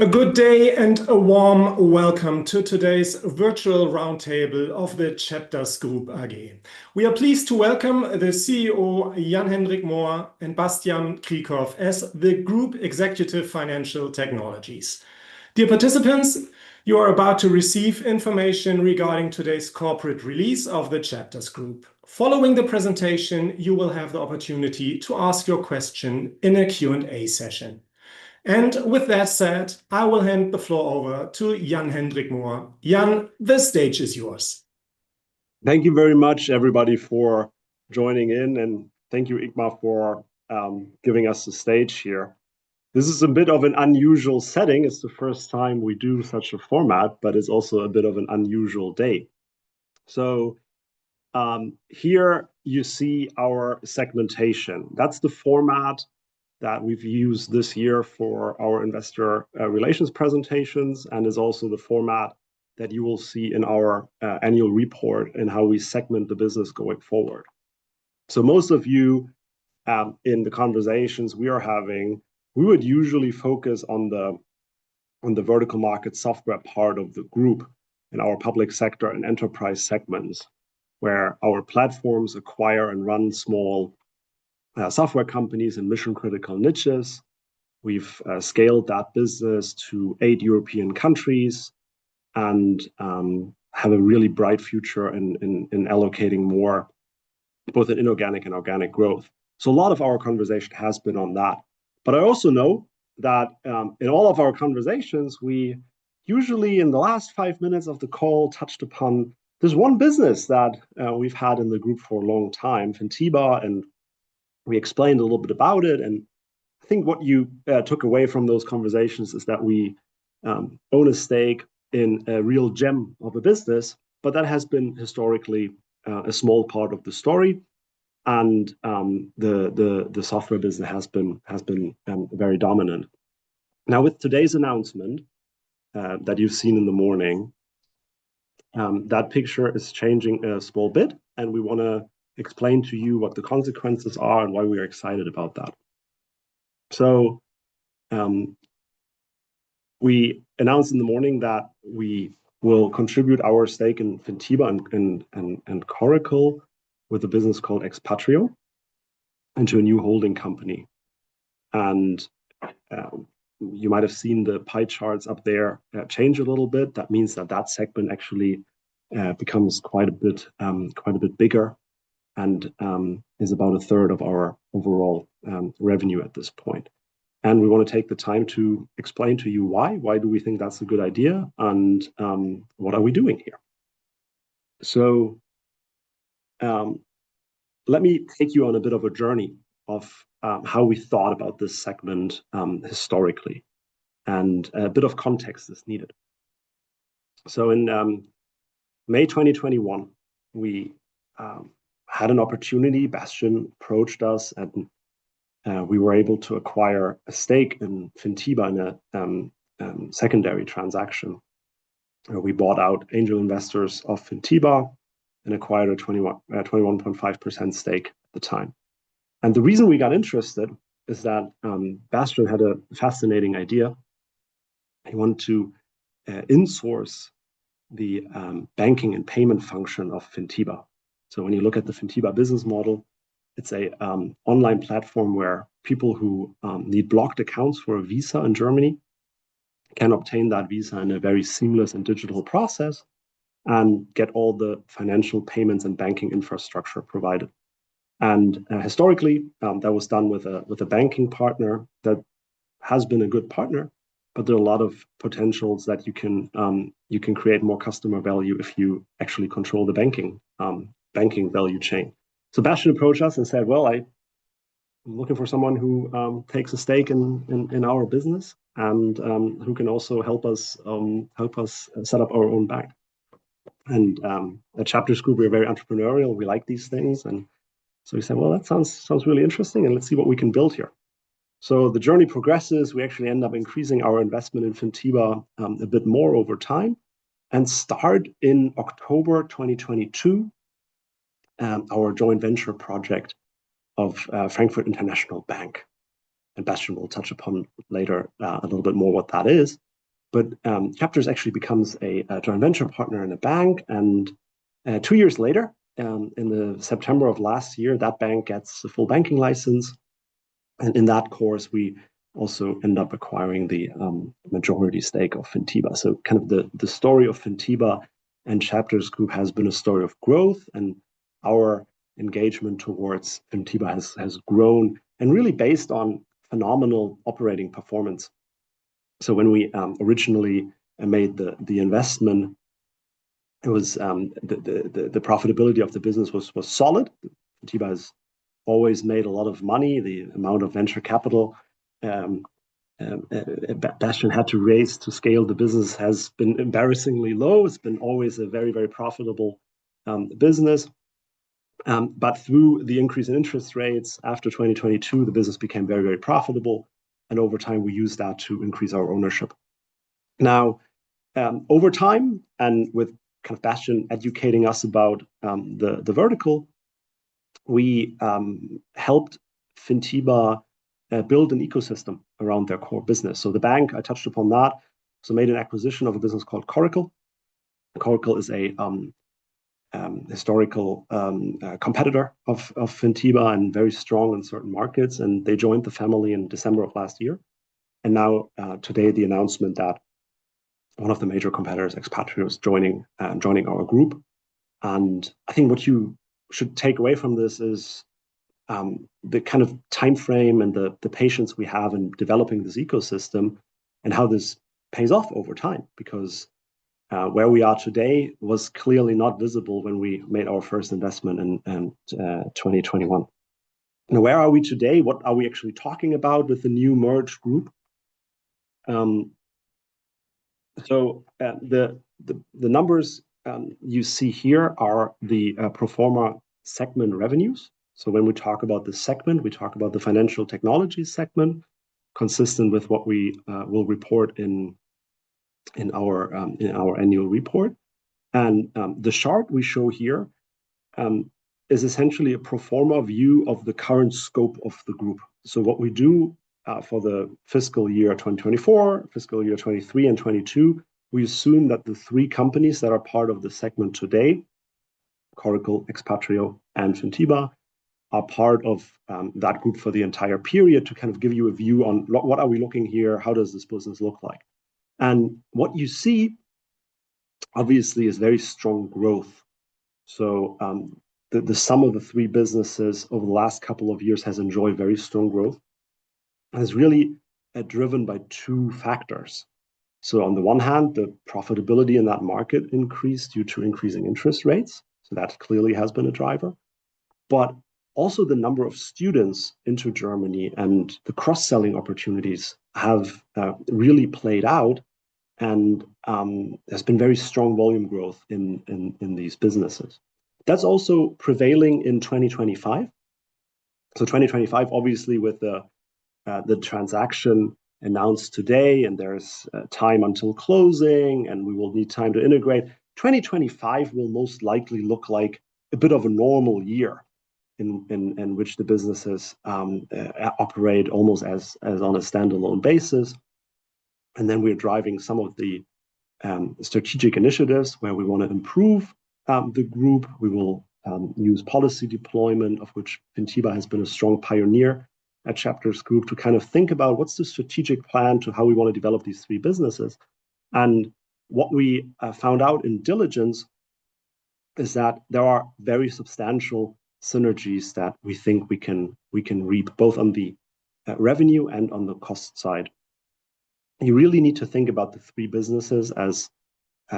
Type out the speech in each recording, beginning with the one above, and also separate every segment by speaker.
Speaker 1: A good day and a warm welcome to today's virtual roundtable of the CHAPTERS Group AG. We are pleased to welcome the CEO Jan-Hendrik Mohr and Bastian Krieghoff as the Group Executive Financial Technologies. Dear participants, you are about to receive information regarding today's corporate release of the CHAPTERS Group. Following the presentation, you will have the opportunity to ask your question in a Q&A session. With that said, I will hand the floor over to Jan-Hendrik Mohr. Jan, the stage is yours.
Speaker 2: Thank you very much, everybody, for joining in, and thank you, Igmar, for giving us the stage here. This is a bit of an unusual setting. It's the first time we do such a format, but it's also a bit of an unusual day. Here you see our segmentation. That's the format that we've used this year for our investor relations presentations, and it's also the format that you will see in our annual report and how we segment the business going forward. Most of you, in the conversations we are having, we would usually focus on the vertical market software part of the group in our public sector and enterprise segments, where our platforms acquire and run small software companies in mission-critical niches. We've scaled that business to eight European countries and have a really bright future in allocating more both in inorganic and organic growth. A lot of our conversation has been on that. I also know that in all of our conversations, we usually, in the last five minutes of the call, touched upon this one business that we've had in the group for a long time, Fintiba, and we explained a little bit about it. I think what you took away from those conversations is that we own a stake in a real gem of a business, but that has been historically a small part of the story, and the software business has been very dominant. Now, with today's announcement that you've seen in the morning, that picture is changing a small bit, and we want to explain to you what the consequences are and why we are excited about that. We announced in the morning that we will contribute our stake in Fintiba and Coracle with a business called Expatrio into a new holding company. You might have seen the pie charts up there change a little bit. That means that that segment actually becomes quite a bit bigger and is about a third of our overall revenue at this point. We want to take the time to explain to you why. Why do we think that's a good idea, and what are we doing here? Let me take you on a bit of a journey of how we thought about this segment historically, and a bit of context is needed. In May 2021, we had an opportunity. Bastian approached us, and we were able to acquire a stake in Fintiba in a secondary transaction. We bought out angel investors of Fintiba and acquired a 21.5% stake at the time. The reason we got interested is that Bastian had a fascinating idea. He wanted to insource the banking and payment function of Fintiba. When you look at the Fintiba business model, it's an online platform where people who need blocked accounts for a visa in Germany can obtain that visa in a very seamless and digital process and get all the financial payments and banking infrastructure provided. Historically, that was done with a banking partner that has been a good partner, but there are a lot of potentials that you can create more customer value if you actually control the banking value chain. Bastian approached us and said, "Well, I'm looking for someone who takes a stake in our business and who can also help us set up our own bank." At CHAPTERS Group, we are very entrepreneurial. We like these things. We said, "Well, that sounds really interesting, and let's see what we can build here." The journey progresses. We actually end up increasing our investment in Fintiba a bit more over time and start in October 2022 our joint venture project of Frankfurt International Bank. Bastian will touch upon later a little bit more what that is. CHAPTERS actually becomes a joint venture partner in a bank. Two years later, in September of last year, that bank gets a full banking license. In that course, we also end up acquiring the majority stake of Fintiba. Kind of the story of Fintiba and CHAPTERS Group has been a story of growth, and our engagement towards Fintiba has grown and really based on phenomenal operating performance. When we originally made the investment, the profitability of the business was solid. Fintiba has always made a lot of money. The amount of venture capital Bastian had to raise to scale the business has been embarrassingly low. It's been always a very, very profitable business. Through the increase in interest rates after 2022, the business became very, very profitable. Over time, we used that to increase our ownership. Over time, and with Bastian educating us about the vertical, we helped Fintiba build an ecosystem around their core business. The bank, I touched upon that, made an acquisition of a business called Coracle. Coracle is a historical competitor of Fintiba and very strong in certain markets. They joined the family in December of last year. Today, the announcement that one of the major competitors, Expatrio, is joining our group. I think what you should take away from this is the kind of time frame and the patience we have in developing this ecosystem and how this pays off over time, because where we are today was clearly not visible when we made our first investment in 2021. Now, where are we today? What are we actually talking about with the new merged group? The numbers you see here are the proforma segment revenues. When we talk about the segment, we talk about the financial technology segment, consistent with what we will report in our annual report. The chart we show here is essentially a proforma view of the current scope of the group. What we do for the fiscal year 2024, fiscal year 2023, and 2022, we assume that the three companies that are part of the segment today, Coracle, Expatrio, and Fintiba, are part of that group for the entire period to kind of give you a view on what are we looking here, how does this business look like. What you see, obviously, is very strong growth. The sum of the three businesses over the last couple of years has enjoyed very strong growth and is really driven by two factors. On the one hand, the profitability in that market increased due to increasing interest rates. That clearly has been a driver. Also, the number of students into Germany and the cross-selling opportunities have really played out, and there's been very strong volume growth in these businesses. That's also prevailing in 2025. 2025, obviously, with the transaction announced today, and there's time until closing, and we will need time to integrate, 2025 will most likely look like a bit of a normal year in which the businesses operate almost as on a standalone basis. We are driving some of the strategic initiatives where we want to improve the group. We will use policy deployment, of which Fintiba has been a strong pioneer at CHAPTERS Group, to kind of think about what's the strategic plan to how we want to develop these three businesses. What we found out in diligence is that there are very substantial synergies that we think we can reap both on the revenue and on the cost side. You really need to think about the three businesses as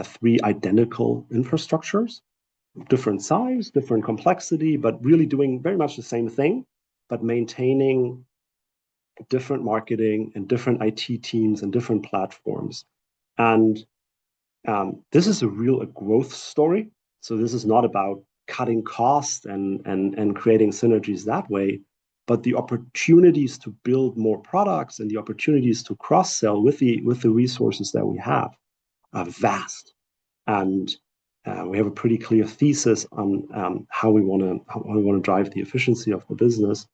Speaker 2: three identical infrastructures, different size, different complexity, but really doing very much the same thing, but maintaining different marketing and different IT teams and different platforms. This is a real growth story. This is not about cutting costs and creating synergies that way, but the opportunities to build more products and the opportunities to cross-sell with the resources that we have are vast. We have a pretty clear thesis on how we want to drive the efficiency of the business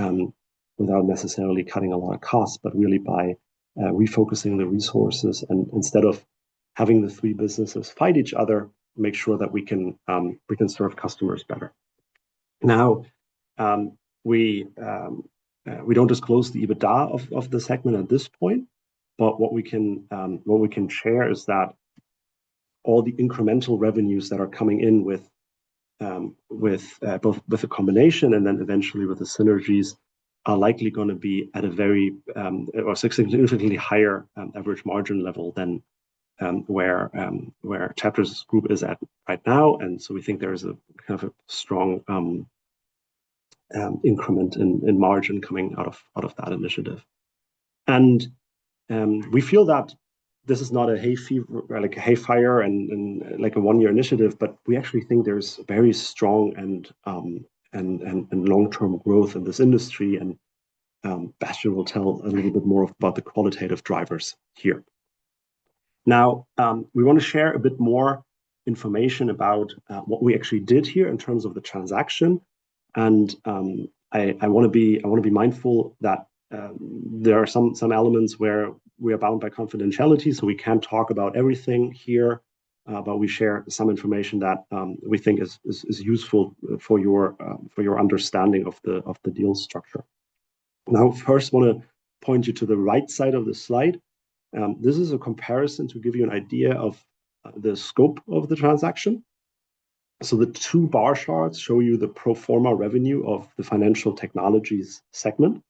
Speaker 2: without necessarily cutting a lot of costs, but really by refocusing the resources and instead of having the three businesses fight each other, make sure that we can serve customers better. We do not disclose the EBITDA of the segment at this point, but what we can share is that all the incremental revenues that are coming in with both a combination and then eventually with the synergies are likely going to be at a significantly higher average margin level than where CHAPTERS Group is at right now. We think there is a kind of strong increment in margin coming out of that initiative. We feel that this is not a hayfire and like a one-year initiative, but we actually think there is very strong and long-term growth in this industry. Bastian will tell a little bit more about the qualitative drivers here. Now, we want to share a bit more information about what we actually did here in terms of the transaction. I want to be mindful that there are some elements where we are bound by confidentiality, so we cannot talk about everything here, but we share some information that we think is useful for your understanding of the deal structure. First, I want to point you to the right side of the slide. This is a comparison to give you an idea of the scope of the transaction. The two bar charts show you the proforma revenue of the financial technologies segment.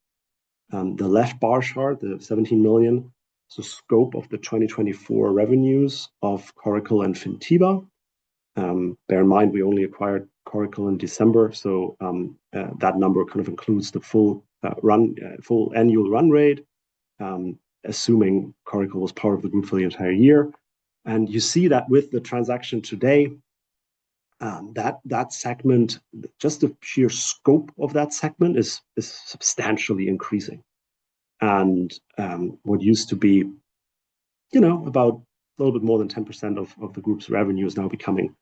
Speaker 2: The left bar chart, the 17 million, is the scope of the 2024 revenues of Coracle and Fintiba. Bear in mind, we only acquired Coracle in December, so that number kind of includes the full annual run rate, assuming Coracle was part of the group for the entire year. You see that with the transaction today, that segment, just the sheer scope of that segment, is substantially increasing. What used to be about a little bit more than 10% of the group's revenue is now becoming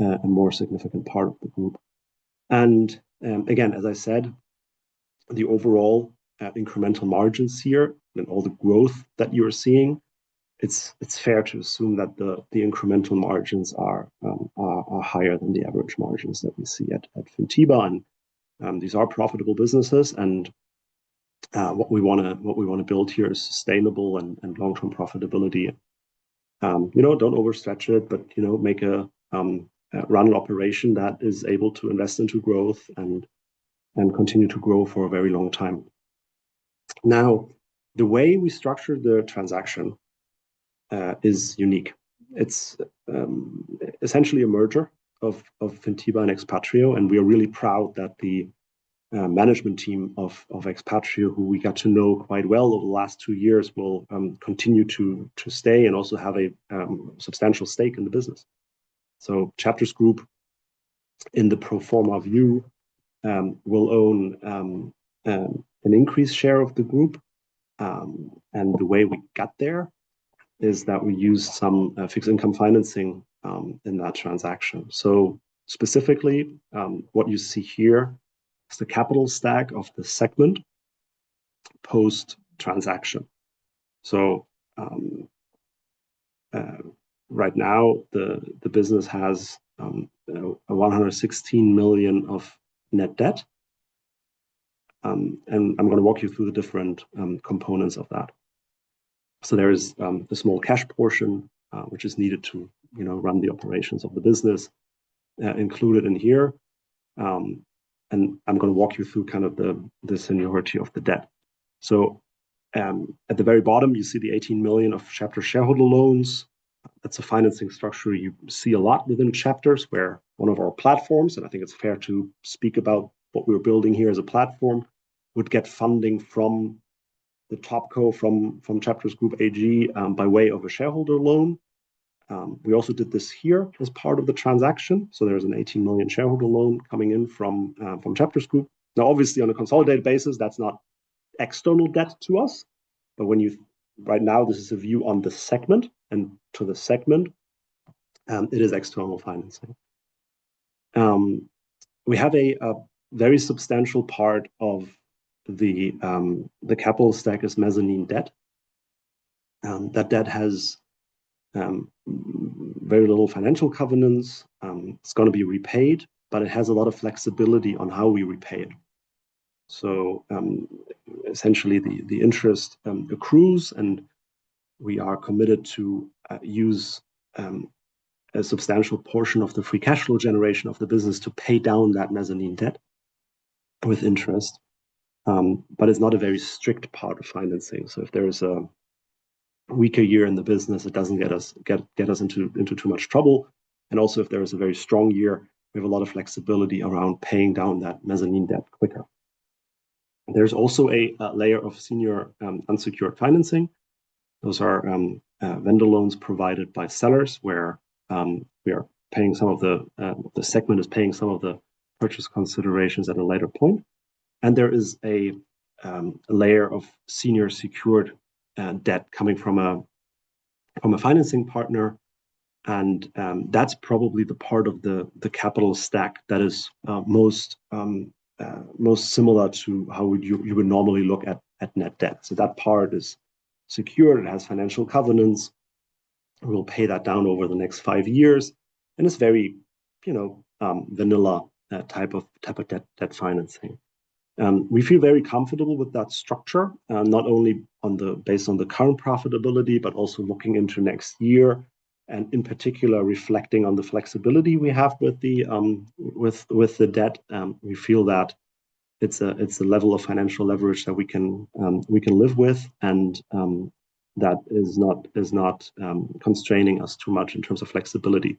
Speaker 2: a more significant part of the group. Again, as I said, the overall incremental margins here and all the growth that you're seeing, it's fair to assume that the incremental margins are higher than the average margins that we see at Fintiba. These are profitable businesses. What we want to build here is sustainable and long-term profitability. Don't overstretch it, but make a run operation that is able to invest into growth and continue to grow for a very long time. Now, the way we structured the transaction is unique. It's essentially a merger of Fintiba and Expatrio, and we are really proud that the management team of Expatrio, who we got to know quite well over the last two years, will continue to stay and also have a substantial stake in the business. CHAPTERS Group, in the proforma view, will own an increased share of the group. The way we got there is that we used some fixed income financing in that transaction. Specifically, what you see here is the capital stack of the segment post-transaction. Right now, the business has 116 million of net debt. I'm going to walk you through the different components of that. There is the small cash portion, which is needed to run the operations of the business, included in here. I'm going to walk you through kind of the seniority of the debt. At the very bottom, you see the 18 million of CHAPTERS shareholder loans. That's a financing structure you see a lot within CHAPTERS, where one of our platforms, and I think it's fair to speak about what we're building here as a platform, would get funding from the top co from CHAPTERS Group AG by way of a shareholder loan. We also did this here as part of the transaction. There's an 18 million shareholder loan coming in from CHAPTERS Group. Now, obviously, on a consolidated basis, that's not external debt to us. Right now, this is a view on the segment. To the segment, it is external financing. We have a very substantial part of the capital stack is mezzanine debt. That debt has very little financial covenants. It's going to be repaid, but it has a lot of flexibility on how we repay it. Essentially, the interest accrues, and we are committed to use a substantial portion of the free cash flow generation of the business to pay down that mezzanine debt with interest. It's not a very strict part of financing. If there is a weaker year in the business, it doesn't get us into too much trouble. Also, if there is a very strong year, we have a lot of flexibility around paying down that mezzanine debt quicker. There's also a layer of senior unsecured financing. Those are vendor loans provided by sellers where we are paying some of the segment is paying some of the purchase considerations at a later point. There is a layer of senior secured debt coming from a financing partner. That is probably the part of the capital stack that is most similar to how you would normally look at net debt. That part is secured. It has financial covenants. We'll pay that down over the next five years. It is very vanilla type of debt financing. We feel very comfortable with that structure, not only based on the current profitability, but also looking into next year. In particular, reflecting on the flexibility we have with the debt, we feel that it is a level of financial leverage that we can live with, and that is not constraining us too much in terms of flexibility.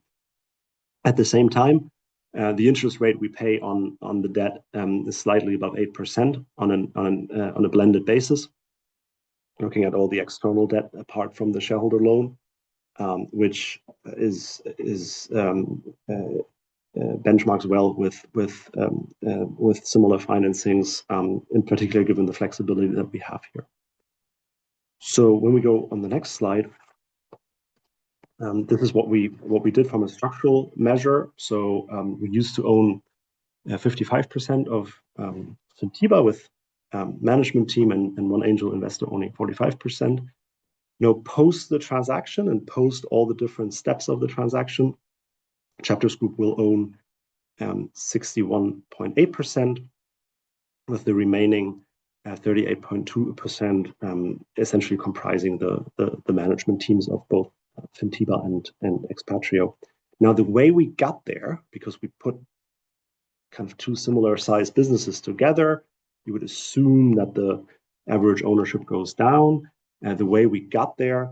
Speaker 2: At the same time, the interest rate we pay on the debt is slightly above 8% on a blended basis, looking at all the external debt apart from the shareholder loan, which benchmarks well with similar financings, in particular, given the flexibility that we have here. When we go on the next slide, this is what we did from a structural measure. We used to own 55% of Fintiba with management team and one angel investor owning 45%. Now, post the transaction and post all the different steps of the transaction, CHAPTERS Group will own 61.8%, with the remaining 38.2% essentially comprising the management teams of both Fintiba and Expatrio. The way we got there, because we put kind of two similar-sized businesses together, you would assume that the average ownership goes down. The way we got there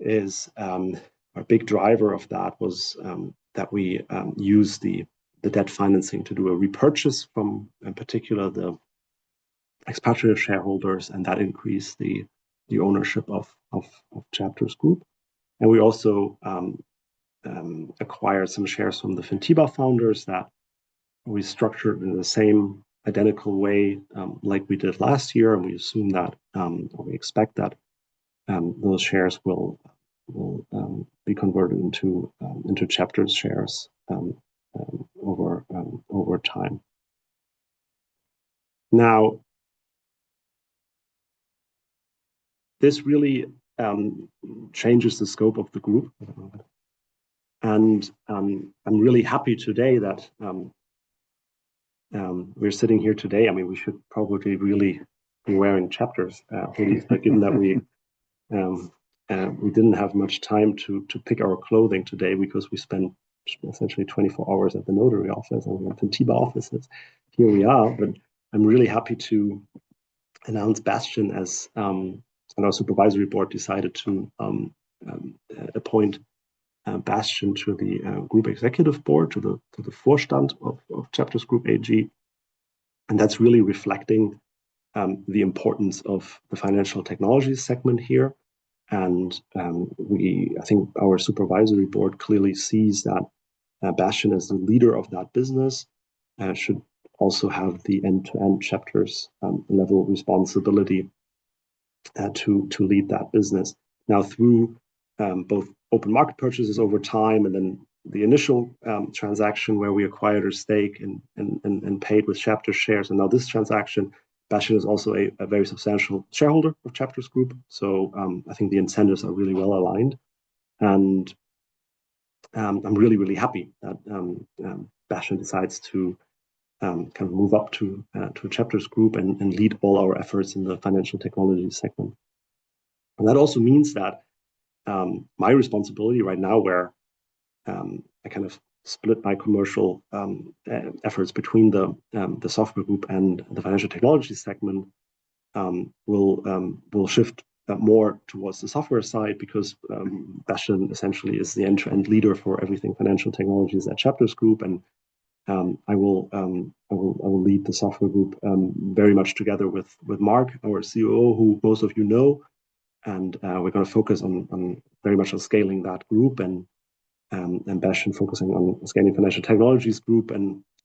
Speaker 2: is our big driver of that was that we used the debt financing to do a repurchase from, in particular, the Expatrio shareholders, and that increased the ownership of CHAPTERS Group. We also acquired some shares from the Fintiba founders that we structured in the same identical way like we did last year. We assume that, or we expect that those shares will be converted into CHAPTERS shares over time. This really changes the scope of the group. I'm really happy today that we're sitting here today. I mean, we should probably really be wearing CHAPTERS, given that we didn't have much time to pick our clothing today because we spent essentially 24 hours at the notary office and the Fintiba offices. Here we are. I'm really happy to announce Bastian as our Supervisory Board decided to appoint Bastian to the Group Executive Board, to the Vorstand of CHAPTERS Group AG. That is really reflecting the importance of the financial technology segment here. I think our Supervisory Board clearly sees that Bastian, as the leader of that business, should also have the end-to-end CHAPTERS level of responsibility to lead that business. Now, through both open market purchases over time and then the initial transaction where we acquired a stake and paid with CHAPTERS shares, and now this transaction, Bastian is also a very substantial shareholder of CHAPTERS Group. I think the incentives are really well aligned. I'm really, really happy that Bastian decides to kind of move up to CHAPTERS Group and lead all our efforts in the financial technology segment. That also means that my responsibility right now, where I kind of split my commercial efforts between the Software Group and the Financial Technology segment, will shift more towards the software side because Bastian essentially is the end-to-end leader for everything financial technology is at CHAPTERS Group. I will lead the Software Group very much together with Mark, our COO, who most of you know. We are going to focus very much on scaling that group. Bastian is focusing on scaling the financial technologies group.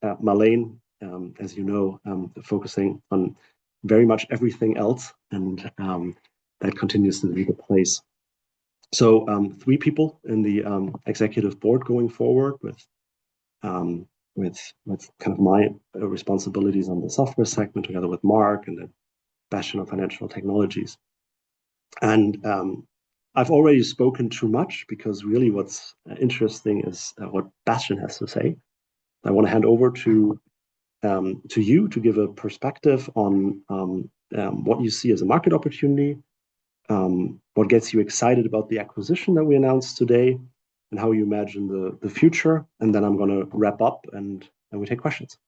Speaker 2: Marlene, as you know, is focusing on very much everything else. That continues to be the place. Three people in the executive board going forward with kind of my responsibilities on the software segment together with Mark and then Bastian on Financial Technologies. I have already spoken too much because really what is interesting is what Bastian has to say. I want to hand over to you to give a perspective on what you see as a market opportunity, what gets you excited about the acquisition that we announced today, and how you imagine the future. I am going to wrap up and we take questions.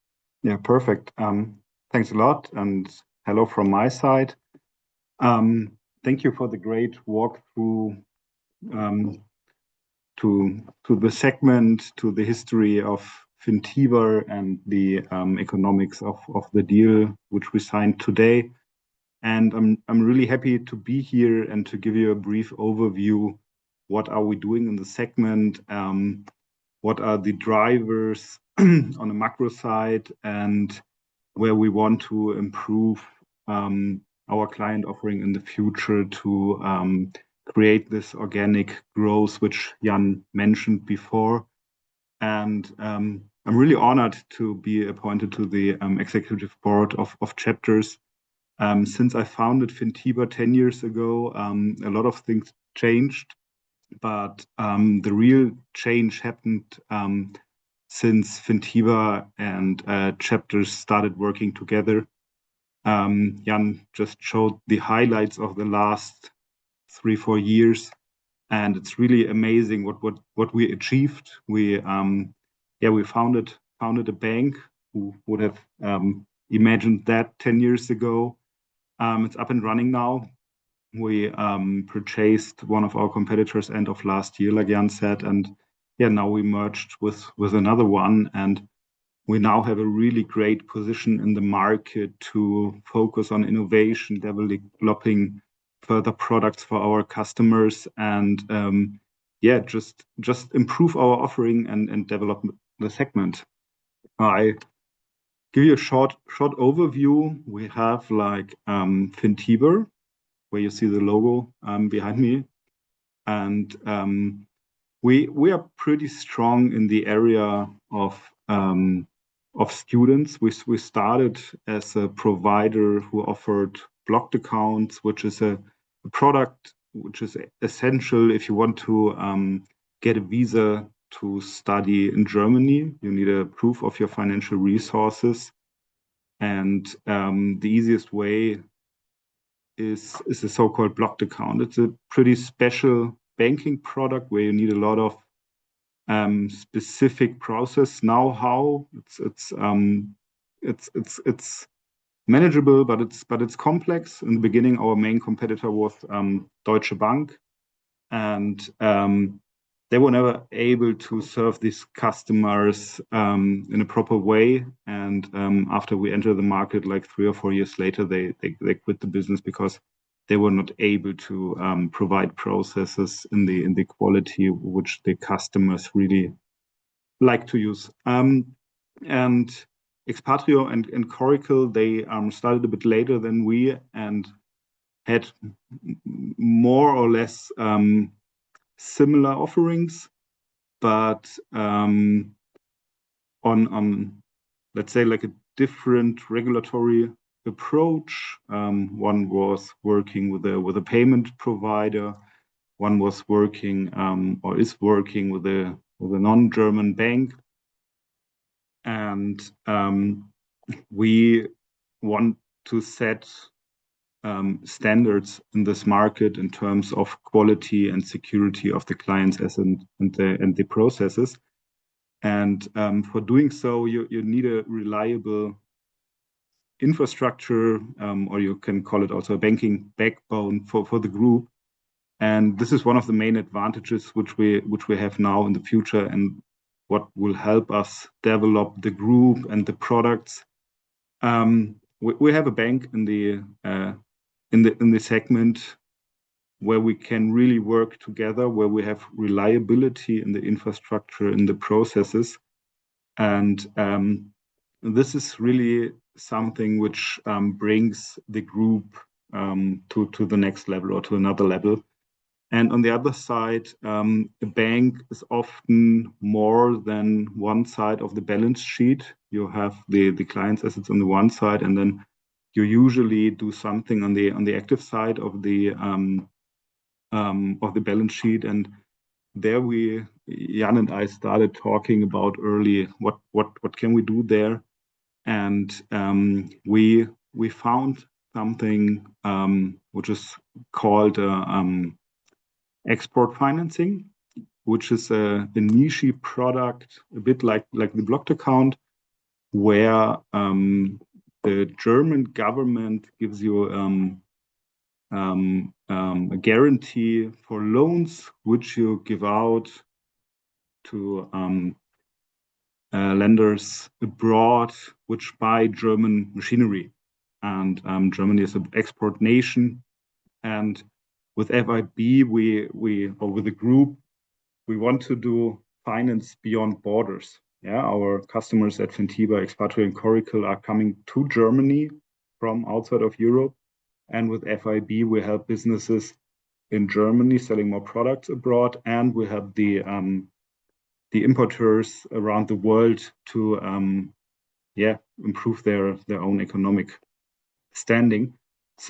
Speaker 3: Yeah, perfect. Thanks a lot. Hello from my side. Thank you for the great walkthrough to the segment, to the history of Fintiba and the economics of the deal which we signed today. I am really happy to be here and to give you a brief overview. What are we doing in the segment? What are the drivers on the macro side and where we want to improve our client offering in the future to create this organic growth, which Jan mentioned before? I am really honored to be appointed to the Executive Board of CHAPTERS. Since I founded Fintiba 10 years ago, a lot of things changed. The real change happened since Fintiba and CHAPTERS started working together. Jan just showed the highlights of the last three, four years. It is really amazing what we achieved. Yeah, we founded a bank. Who would have imagined that 10 years ago? It is up and running now. We purchased one of our competitors end of last year, like Jan said. Yeah, now we merged with another one. We now have a really great position in the market to focus on innovation, developing further products for our customers, and yeah, just improve our offering and develop the segment. I'll give you a short overview. We have Fintiba, where you see the logo behind me. We are pretty strong in the area of students. We started as a provider who offered Blocked Accounts, which is a product which is essential if you want to get a visa to study in Germany. You need a proof of your financial resources. The easiest way is a so-called Blocked Account. It's a pretty special banking product where you need a lot of specific process know-how. It's manageable, but it's complex. In the beginning, our main competitor was Deutsche Bank. They were never able to serve these customers in a proper way. After we entered the market, like three or four years later, they quit the business because they were not able to provide processes in the quality which the customers really like to use. Expatrio and Coracle, they started a bit later than we and had more or less similar offerings. On, let's say, like a different regulatory approach, one was working with a payment provider. One was working or is working with a non-German bank. We want to set standards in this market in terms of quality and security of the clients and the processes. For doing so, you need a reliable infrastructure, or you can call it also a banking backbone for the group. This is one of the main advantages which we have now in the future and what will help us develop the group and the products. We have a bank in the segment where we can really work together, where we have reliability in the infrastructure, in the processes. This is really something which brings the group to the next level or to another level. On the other side, a bank is often more than one side of the balance sheet. You have the clients' assets on one side, and then you usually do something on the active side of the balance sheet. There we, Jan and I started talking about early, what can we do there? We found something which is called Export Financing, which is a niche product, a bit like the Blocked Account, where the German government gives you a guarantee for loans which you give out to lenders abroad which buy German machinery. Germany is an export nation. With FIB, or with the group, we want to do finance beyond borders. Our customers at Fintiba, Expatrio, and Coracle are coming to Germany from outside of Europe. With FIB, we help businesses in Germany selling more products abroad. We help the importers around the world to, yeah, improve their own economic standing.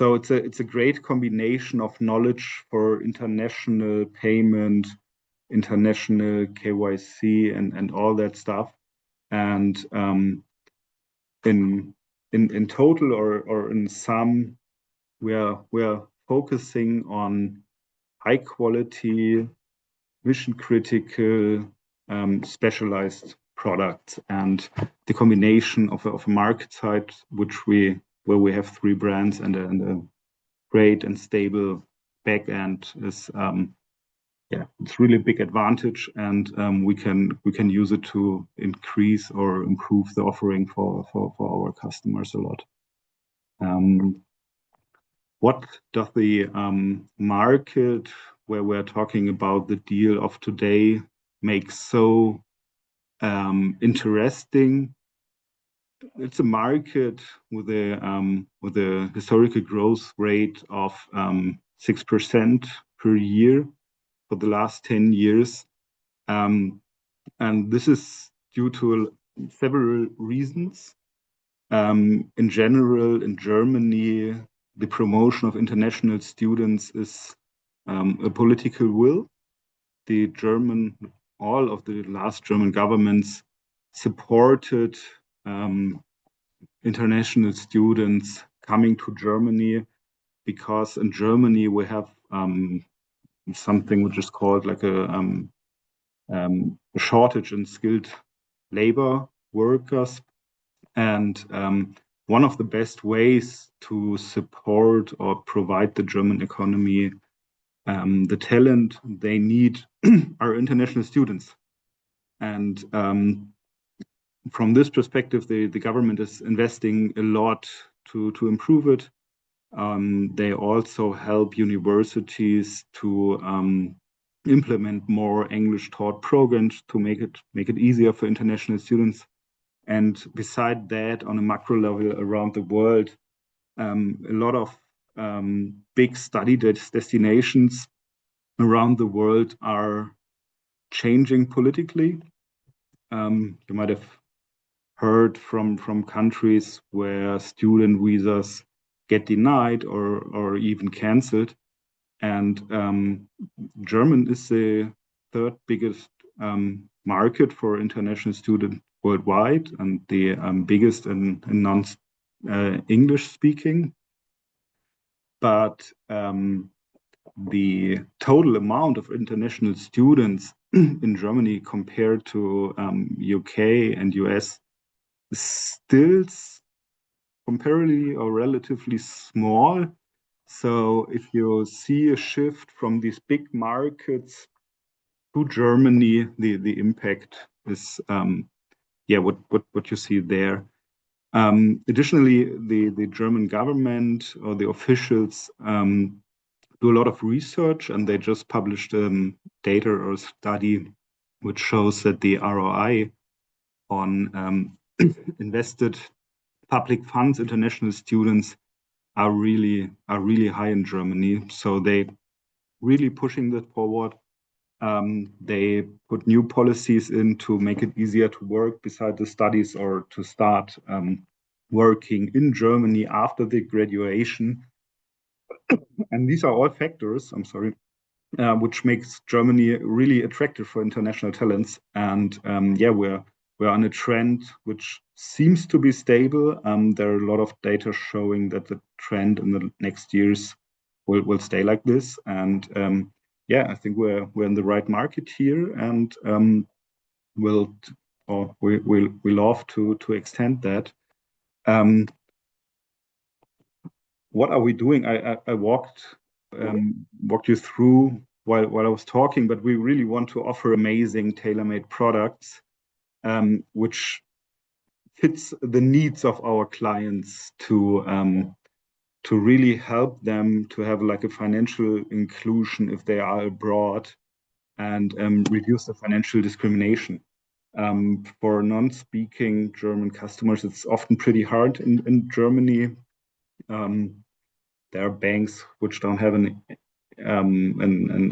Speaker 3: It is a great combination of knowledge for international payment, international KYC, and all that stuff. In total or in sum, we are focusing on high-quality, mission-critical, specialized products. The combination of a market side where we have three brands and a great and stable backend is, yeah, it's a really big advantage. We can use it to increase or improve the offering for our customers a lot. What does the market where we're talking about the deal of today make so interesting? It is a market with a historical growth rate of 6% per year for the last 10 years. This is due to several reasons. In general, in Germany, the promotion of international students is a political will. All of the last German governments supported international students coming to Germany because in Germany, we have something which is called a shortage in skilled labor workers. One of the best ways to support or provide the German economy the talent they need are international students. From this perspective, the government is investing a lot to improve it. They also help universities to implement more English-taught programs to make it easier for international students. Beside that, on a macro level around the world, a lot of big study destinations around the world are changing politically. You might have heard from countries where student visas get denied or even canceled. Germany is the third biggest market for international students worldwide and the biggest in non-English speaking. The total amount of international students in Germany compared to the U.K. and U.S. is still comparably or relatively small. If you see a shift from these big markets to Germany, the impact is, yeah, what you see there. Additionally, the German government or the officials do a lot of research, and they just published a data or study which shows that the ROI on invested public funds in international students are really high in Germany. They are really pushing that forward. They put new policies in to make it easier to work beside the studies or to start working in Germany after the graduation. These are all factors, I'm sorry, which make Germany really attractive for international talents. Yeah, we're on a trend which seems to be stable. There are a lot of data showing that the trend in the next years will stay like this. Yeah, I think we're in the right market here and will love to extend that. What are we doing? I walked you through while I was talking, but we really want to offer amazing tailor-made products which fit the needs of our clients to really help them to have a financial inclusion if they are abroad and reduce the financial discrimination. For non-speaking German customers, it's often pretty hard in Germany. There are banks which don't have an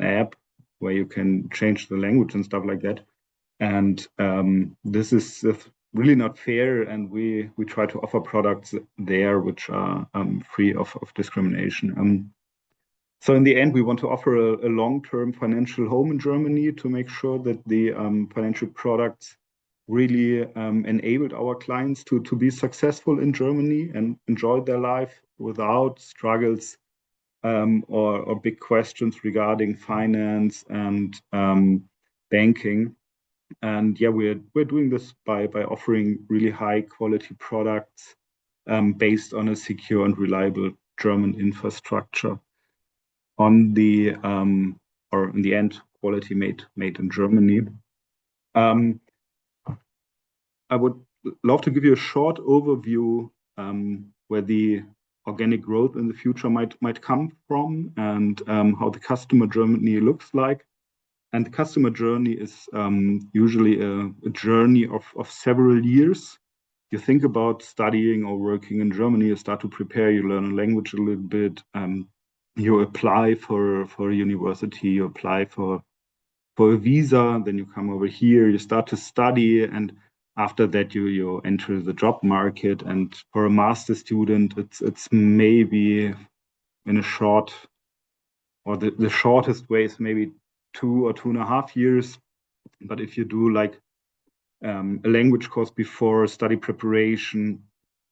Speaker 3: app where you can change the language and stuff like that. This is really not fair. We try to offer products there which are free of discrimination. In the end, we want to offer a long-term financial home in Germany to make sure that the financial products really enable our clients to be successful in Germany and enjoy their life without struggles or big questions regarding finance and banking. Yeah, we're doing this by offering really high-quality products based on a secure and reliable German infrastructure, or in the end, quality made in Germany. I would love to give you a short overview where the organic growth in the future might come from and how the customer journey looks like. The customer journey is usually a journey of several years. You think about studying or working in Germany. You start to prepare. You learn a language a little bit. You apply for a university. You apply for a visa. You come over here. You start to study. After that, you enter the job market. For a master's student, maybe in a short, or the shortest way, it is maybe two or two and a half years. If you do a language course before study preparation,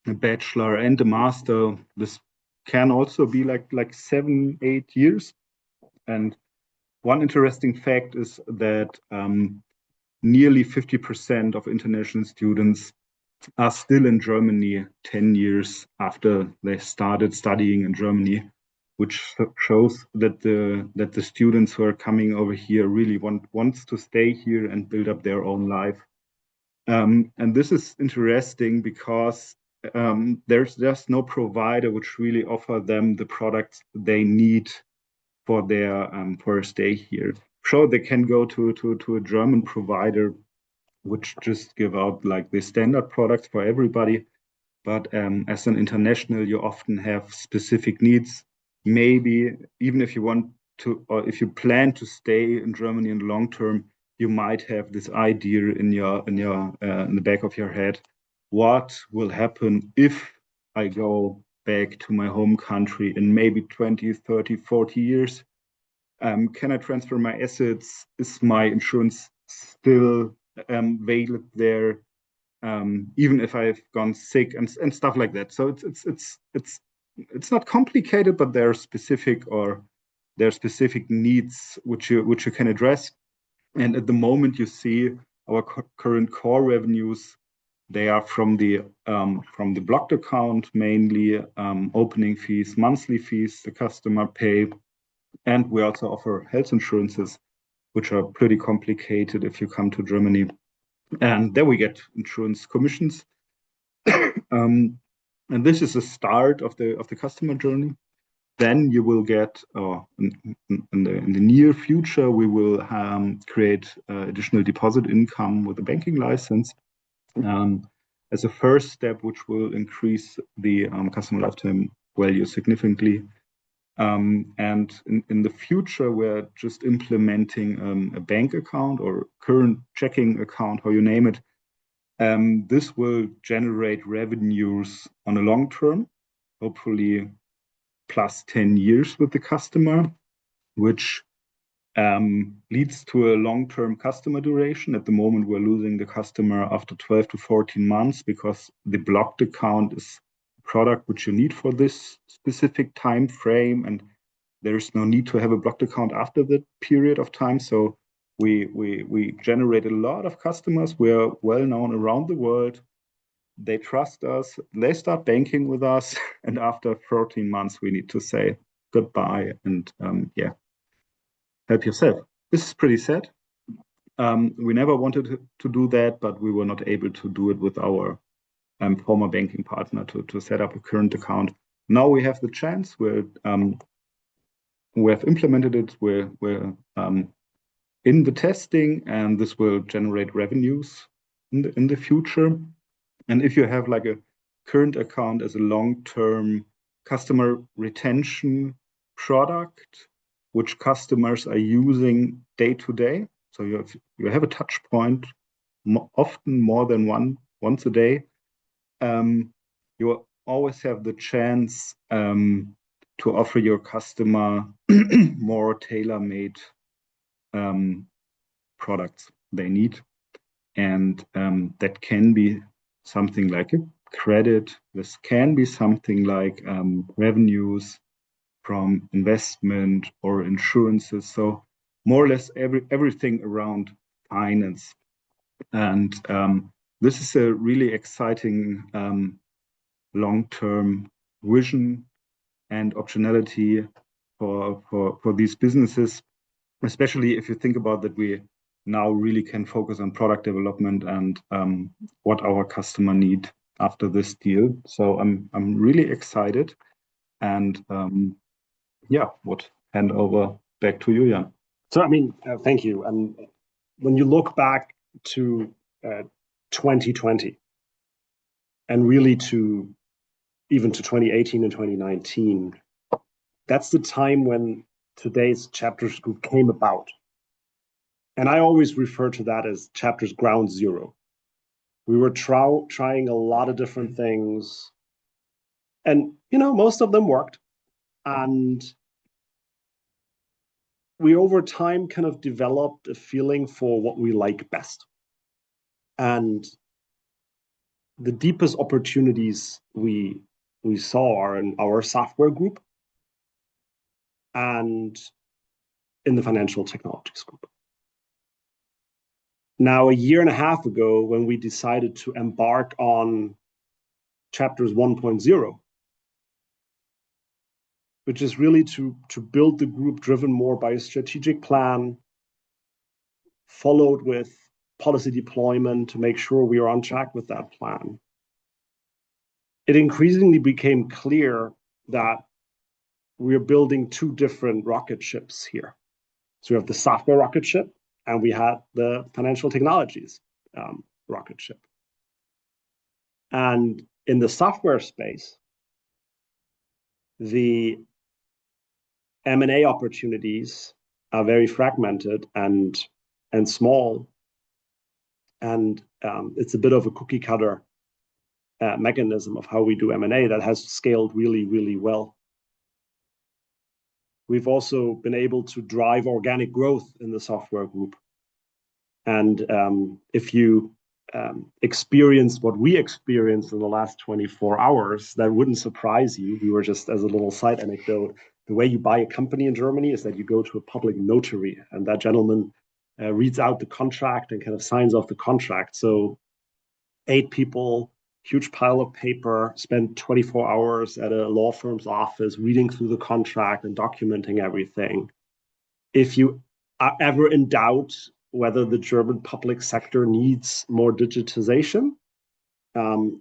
Speaker 3: a bachelor and a master, this can also be like seven, eight years. One interesting fact is that nearly 50% of international students are still in Germany 10 years after they started studying in Germany, which shows that the students who are coming over here really want to stay here and build up their own life. This is interesting because there is no provider which really offers them the products they need for a stay here. They can go to a German provider which just gives out the standard products for everybody. As an international, you often have specific needs. Maybe even if you want to, or if you plan to stay in Germany in the long term, you might have this idea in the back of your head. What will happen if I go back to my home country in maybe 20, 30, 40 years? Can I transfer my assets? Is my insurance still available there even if I've gone sick and stuff like that? It is not complicated, but there are specific needs which you can address. At the moment, you see our current core revenues. They are from the Blocked Account, mainly opening fees, monthly fees the customer pays. We also offer health insurances which are pretty complicated if you come to Germany. Then we get insurance commissions. This is the start of the customer journey. In the near future, we will create additional deposit income with a banking license as a first step, which will increase the customer lifetime value significantly. In the future, we're just implementing a bank account or current checking account, how you name it. This will generate revenues on a long term, hopefully +10 years with the customer, which leads to a long-term customer duration. At the moment, we're losing the customer after 12-14 months because the Blocked Account is a product which you need for this specific time frame. There is no need to have a Blocked Account after that period of time. We generate a lot of customers. We are well known around the world. They trust us. They start banking with us. After 14 months, we need to say goodbye and, yeah, help yourself. This is pretty sad. We never wanted to do that, but we were not able to do it with our former banking partner to set up a current account. Now we have the chance. We have implemented it. We're in the testing, and this will generate revenues in the future. If you have a current account as a long-term customer retention product which customers are using day to day, you have a touchpoint often more than once a day, you always have the chance to offer your customer more tailor-made products they need. That can be something like a credit. This can be something like revenues from investment or insurances. More or less everything around finance. This is a really exciting long-term vision and optionality for these businesses, especially if you think about that we now really can focus on product development and what our customer needs after this deal. I'm really excited. I would hand over back to you, Jan. I mean, thank you.
Speaker 2: When you look back to 2020 and really even to 2018 and 2019, that's the time when today's CHAPTERS Group came about. I always refer to that as CHAPTERS ground zero. We were trying a lot of different things. Most of them worked. We, over time, kind of developed a feeling for what we like best. The deepest opportunities we saw are in our Software Group and in the Financial Technologies group. Now, a year and a half ago, when we decided to embark on CHAPTERS 1.0, which is really to build the group driven more by a strategic plan followed with policy deployment to make sure we are on track with that plan, it increasingly became clear that we are building two different rocket ships here. We have the software rocket ship, and we had the financial technologies rocket ship. In the software space, the M&A opportunities are very fragmented and small. It is a bit of a cookie-cutter mechanism of how we do M&A that has scaled really, really well. We have also been able to drive organic growth in the Software Group. If you experienced what we experienced in the last 24 hours, that would not surprise you. Just as a little side anecdote, the way you buy a company in Germany is that you go to a public notary, and that gentleman reads out the contract and kind of signs off the contract. Eight people, huge pile of paper, spend 24 hours at a law firm's office reading through the contract and documenting everything. If you are ever in doubt whether the German public sector needs more digitization,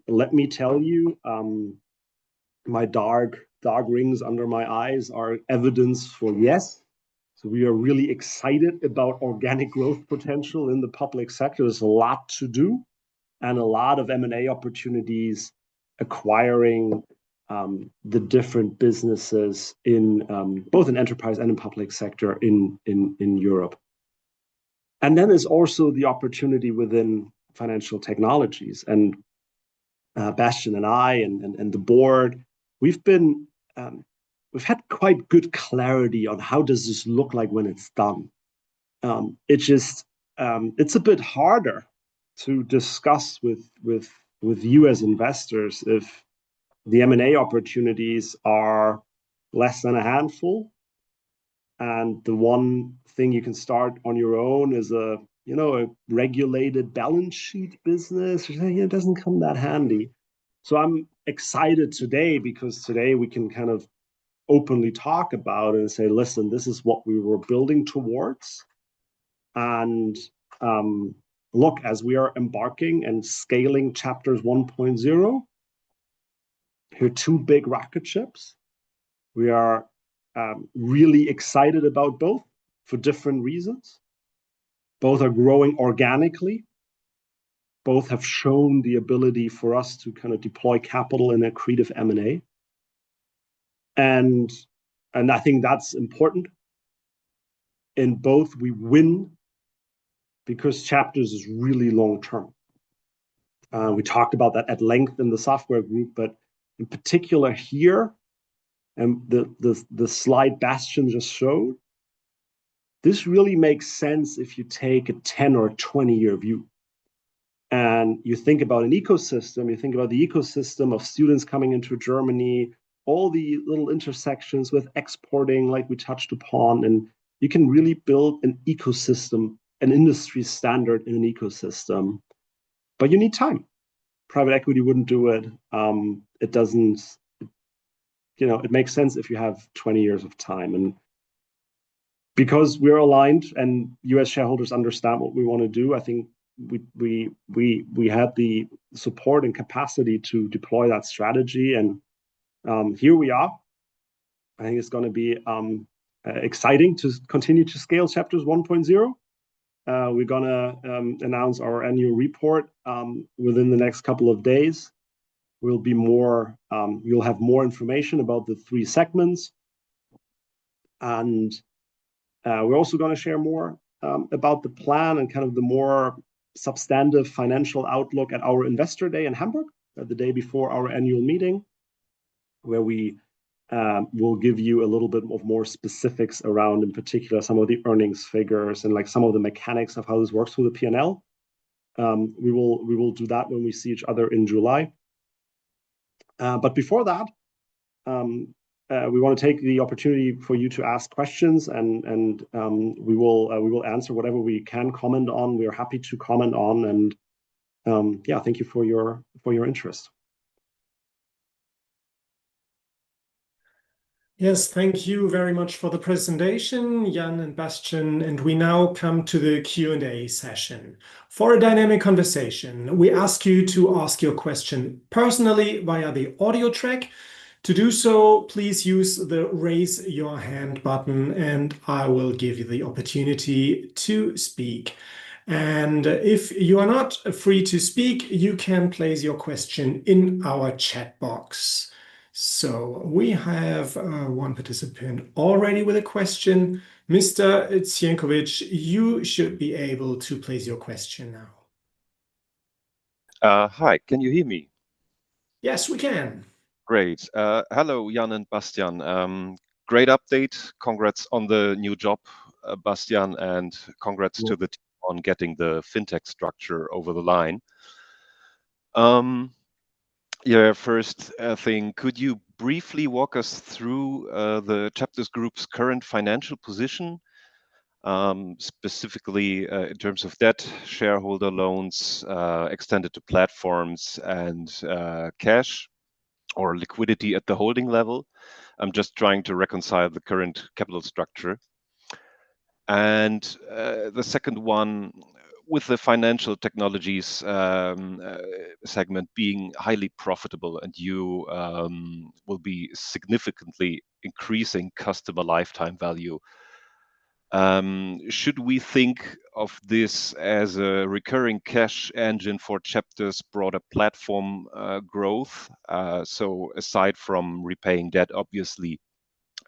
Speaker 2: let me tell you, my dark rings under my eyes are evidence for yes. We are really excited about organic growth potential in the public sector. There's a lot to do and a lot of M&A opportunities acquiring the different businesses both in enterprise and in public sector in Europe. There's also the opportunity within financial technologies. Bastian and I and the board, we've had quite good clarity on how does this look like when it's done. It's a bit harder to discuss with you as investors if the M&A opportunities are less than a handful. The one thing you can start on your own is a regulated balance sheet business. It doesn't come that handy. I'm excited today because today we can kind of openly talk about it and say, "Listen, this is what we were building towards." Look, as we are embarking and scaling CHAPTERS 1.0, here are two big rocket ships. We are really excited about both for different reasons. Both are growing organically. Both have shown the ability for us to kind of deploy capital in a creative M&A. I think that's important. In both, we win because CHAPTERS is really long-term. We talked about that at length in the Software Group, but in particular here, and the slide Bastian just showed, this really makes sense if you take a 10- or 20-year view. You think about an ecosystem. You think about the ecosystem of students coming into Germany, all the little intersections with exporting like we touched upon. You can really build an ecosystem, an industry standard in an ecosystem. You need time. Private equity would not do it. It makes sense if you have 20 years of time. Because we're aligned and U.S. shareholders understand what we want to do, I think we had the support and capacity to deploy that strategy. Here we are. I think it's going to be exciting to continue to scale CHAPTERS 1.0. We're going to announce our annual report within the next couple of days. We'll have more information about the three segments. We're also going to share more about the plan and kind of the more substantive financial outlook at our Investor's Day in Hamburg, the day before our annual meeting, where we will give you a little bit more specifics around, in particular, some of the earnings figures and some of the mechanics of how this works with the P&L. We will do that when we see each other in July. Before that, we want to take the opportunity for you to ask questions. We will answer whatever we can comment on. We are happy to comment on. Thank you for your interest.
Speaker 1: Yes, thank you very much for the presentation, Jan and Bastian. We now come to the Q&A session. For a dynamic conversation, we ask you to ask your question personally via the audio track. To do so, please use the raise your hand button, and I will give you the opportunity to speak. If you are not free to speak, you can place your question in our chat box. We have one participant already with a question. Mr. Zenkovich, you should be able to place your question now. Hi, can you hear me?
Speaker 2: Yes, we can. Great. Hello, Jan and Bastian. Great update. Congrats on the new job, Bastian, and congrats to the team on getting the Fintech structure over the line. Yeah, first thing, could you briefly walk us through the CHAPTERS Group's current financial position, specifically in terms of debt, shareholder loans extended to platforms, and cash or liquidity at the holding level? I'm just trying to reconcile the current capital structure. The second one, with the Financial Technologies segment being highly profitable and you will be significantly increasing customer lifetime value, should we think of this as a recurring cash engine for CHAPTERS' broader platform growth? Aside from repaying debt, obviously,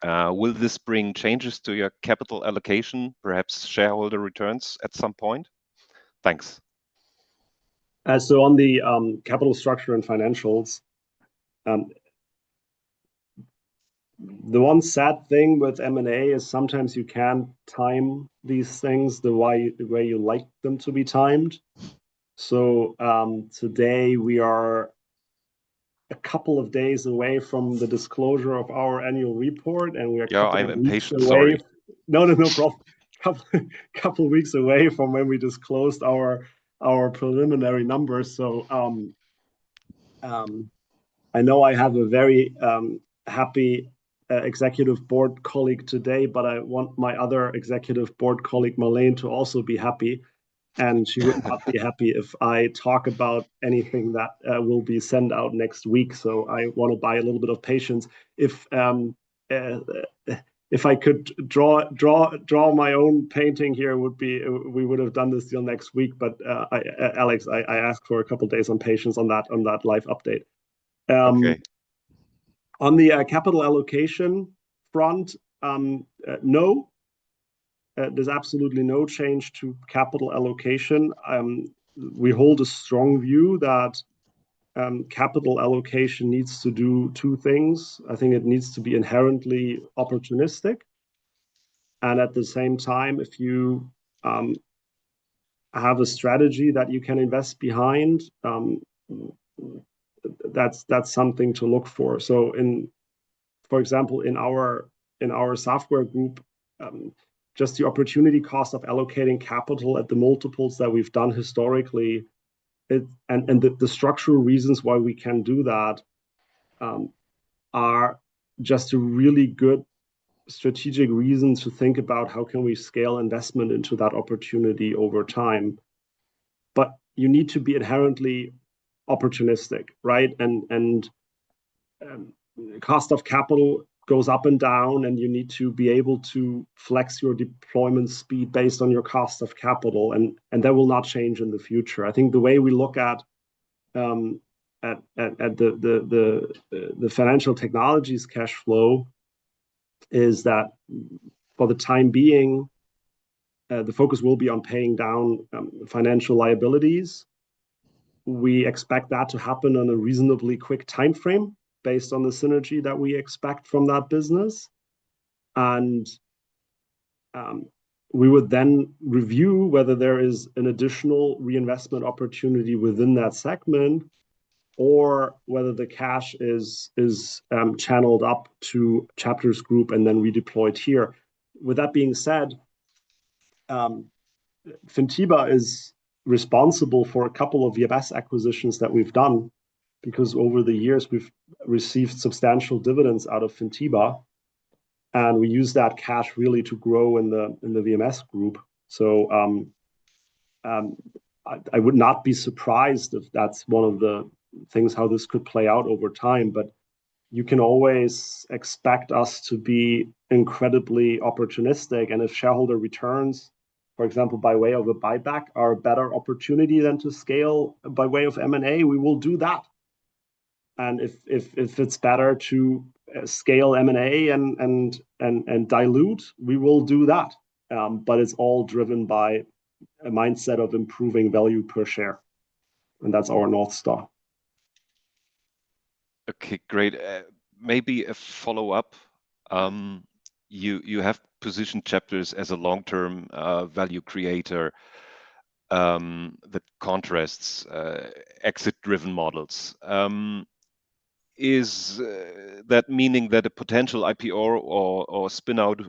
Speaker 2: will this bring changes to your capital allocation, perhaps shareholder returns at some point? Thanks. On the Capital structure and Financials, the one sad thing with M&A is sometimes you can't time these things the way you like them to be timed. Today, we are a couple of days away from the disclosure of our annual report, and we are— Yeah, I'm impatient, sorry. No, no, no problem. Couple of weeks away from when we disclosed our preliminary numbers. I know I have a very happy Executive Board colleague today, but I want my other Executive Board colleague, Marlene, to also be happy. She would not be happy if I talk about anything that will be sent out next week. I want to buy a little bit of patience. If I could draw my own painting here, we would have done this deal next week. Alex, I asked for a couple of days on patience on that live update. On the Capital Allocation front, no. There is absolutely no change to Capital Allocation. We hold a strong view that Capital Allocation needs to do two things. I think it needs to be inherently opportunistic. At the same time, if you have a strategy that you can invest behind, that's something to look for. For example, in our Software roup, just the opportunity cost of allocating capital at the multiples that we've done historically, and the structural reasons why we can do that are just really good strategic reasons to think about how can we scale investment into that opportunity over time. You need to be inherently opportunistic, right? Cost of capital goes up and down, and you need to be able to flex your deployment speed based on your cost of capital. That will not change in the future. I think the way we look at the financial technologies cash flow is that for the time being, the focus will be on paying down financial liabilities. We expect that to happen on a reasonably quick timeframe based on the synergy that we expect from that business. We would then review whether there is an additional reinvestment opportunity within that segment or whether the cash is channeled up to CHAPTERS Group and then redeployed here. With that being said, Fintiba is responsible for a couple of VMS acquisitions that we've done because over the years, we've received substantial dividends out of Fintiba. We use that cash really to grow in the VMS Group. I would not be surprised if that's one of the things how this could play out over time. You can always expect us to be incredibly opportunistic. If shareholder returns, for example, by way of a buyback, are a better opportunity than to scale by way of M&A, we will do that. If it's better to scale M&A and dilute, we will do that. It is all driven by a mindset of improving value per share. That is our North Star. Okay, great. Maybe a follow-up. You have positioned CHAPTERS as a long-term value creator that contrasts exit-driven models. Is that meaning that a potential IPO or spinout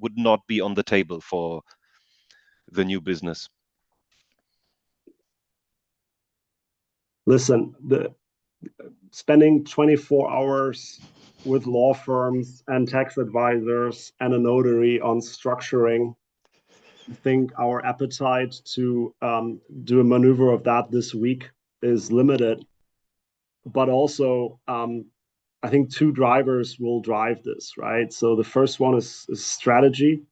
Speaker 2: would not be on the table for the new business? Listen, spending 24 hours with law firms and tax advisors and a notary on structuring, I think our appetite to do a maneuver of that this week is limited. Also, I think two drivers will drive this, right? The first one is strategy,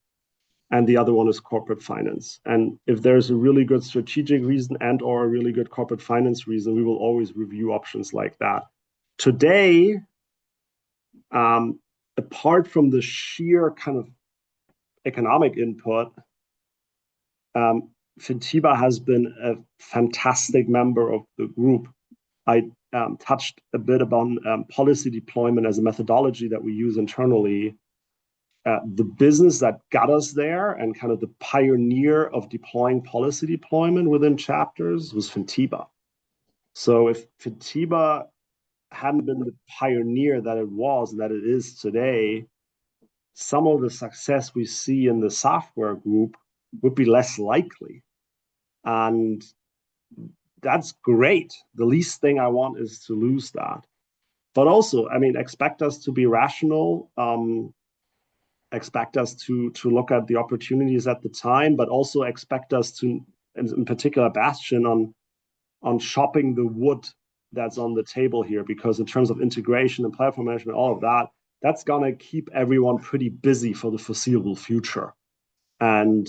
Speaker 2: and the other one is corporate finance. If there is a really good strategic reason and/or a really good corporate finance reason, we will always review options like that. Today, apart from the sheer kind of economic input, Fintiba has been a fantastic member of the group. I touched a bit about policy deployment as a methodology that we use internally. The business that got us there and kind of the pioneer of deploying policy deployment within CHAPTERS was Fintiba. If Fintiba had not been the pioneer that it was and that it is today, some of the success we see in the Software Group would be less likely. That is great. The least thing I want is to lose that. Also, I mean, expect us to be rational. Expect us to look at the opportunities at the time, but also expect us to, in particular, Bastian, on chopping the wood that is on the table here because in terms of integration and platform management, all of that, that is going to keep everyone pretty busy for the foreseeable future. I'm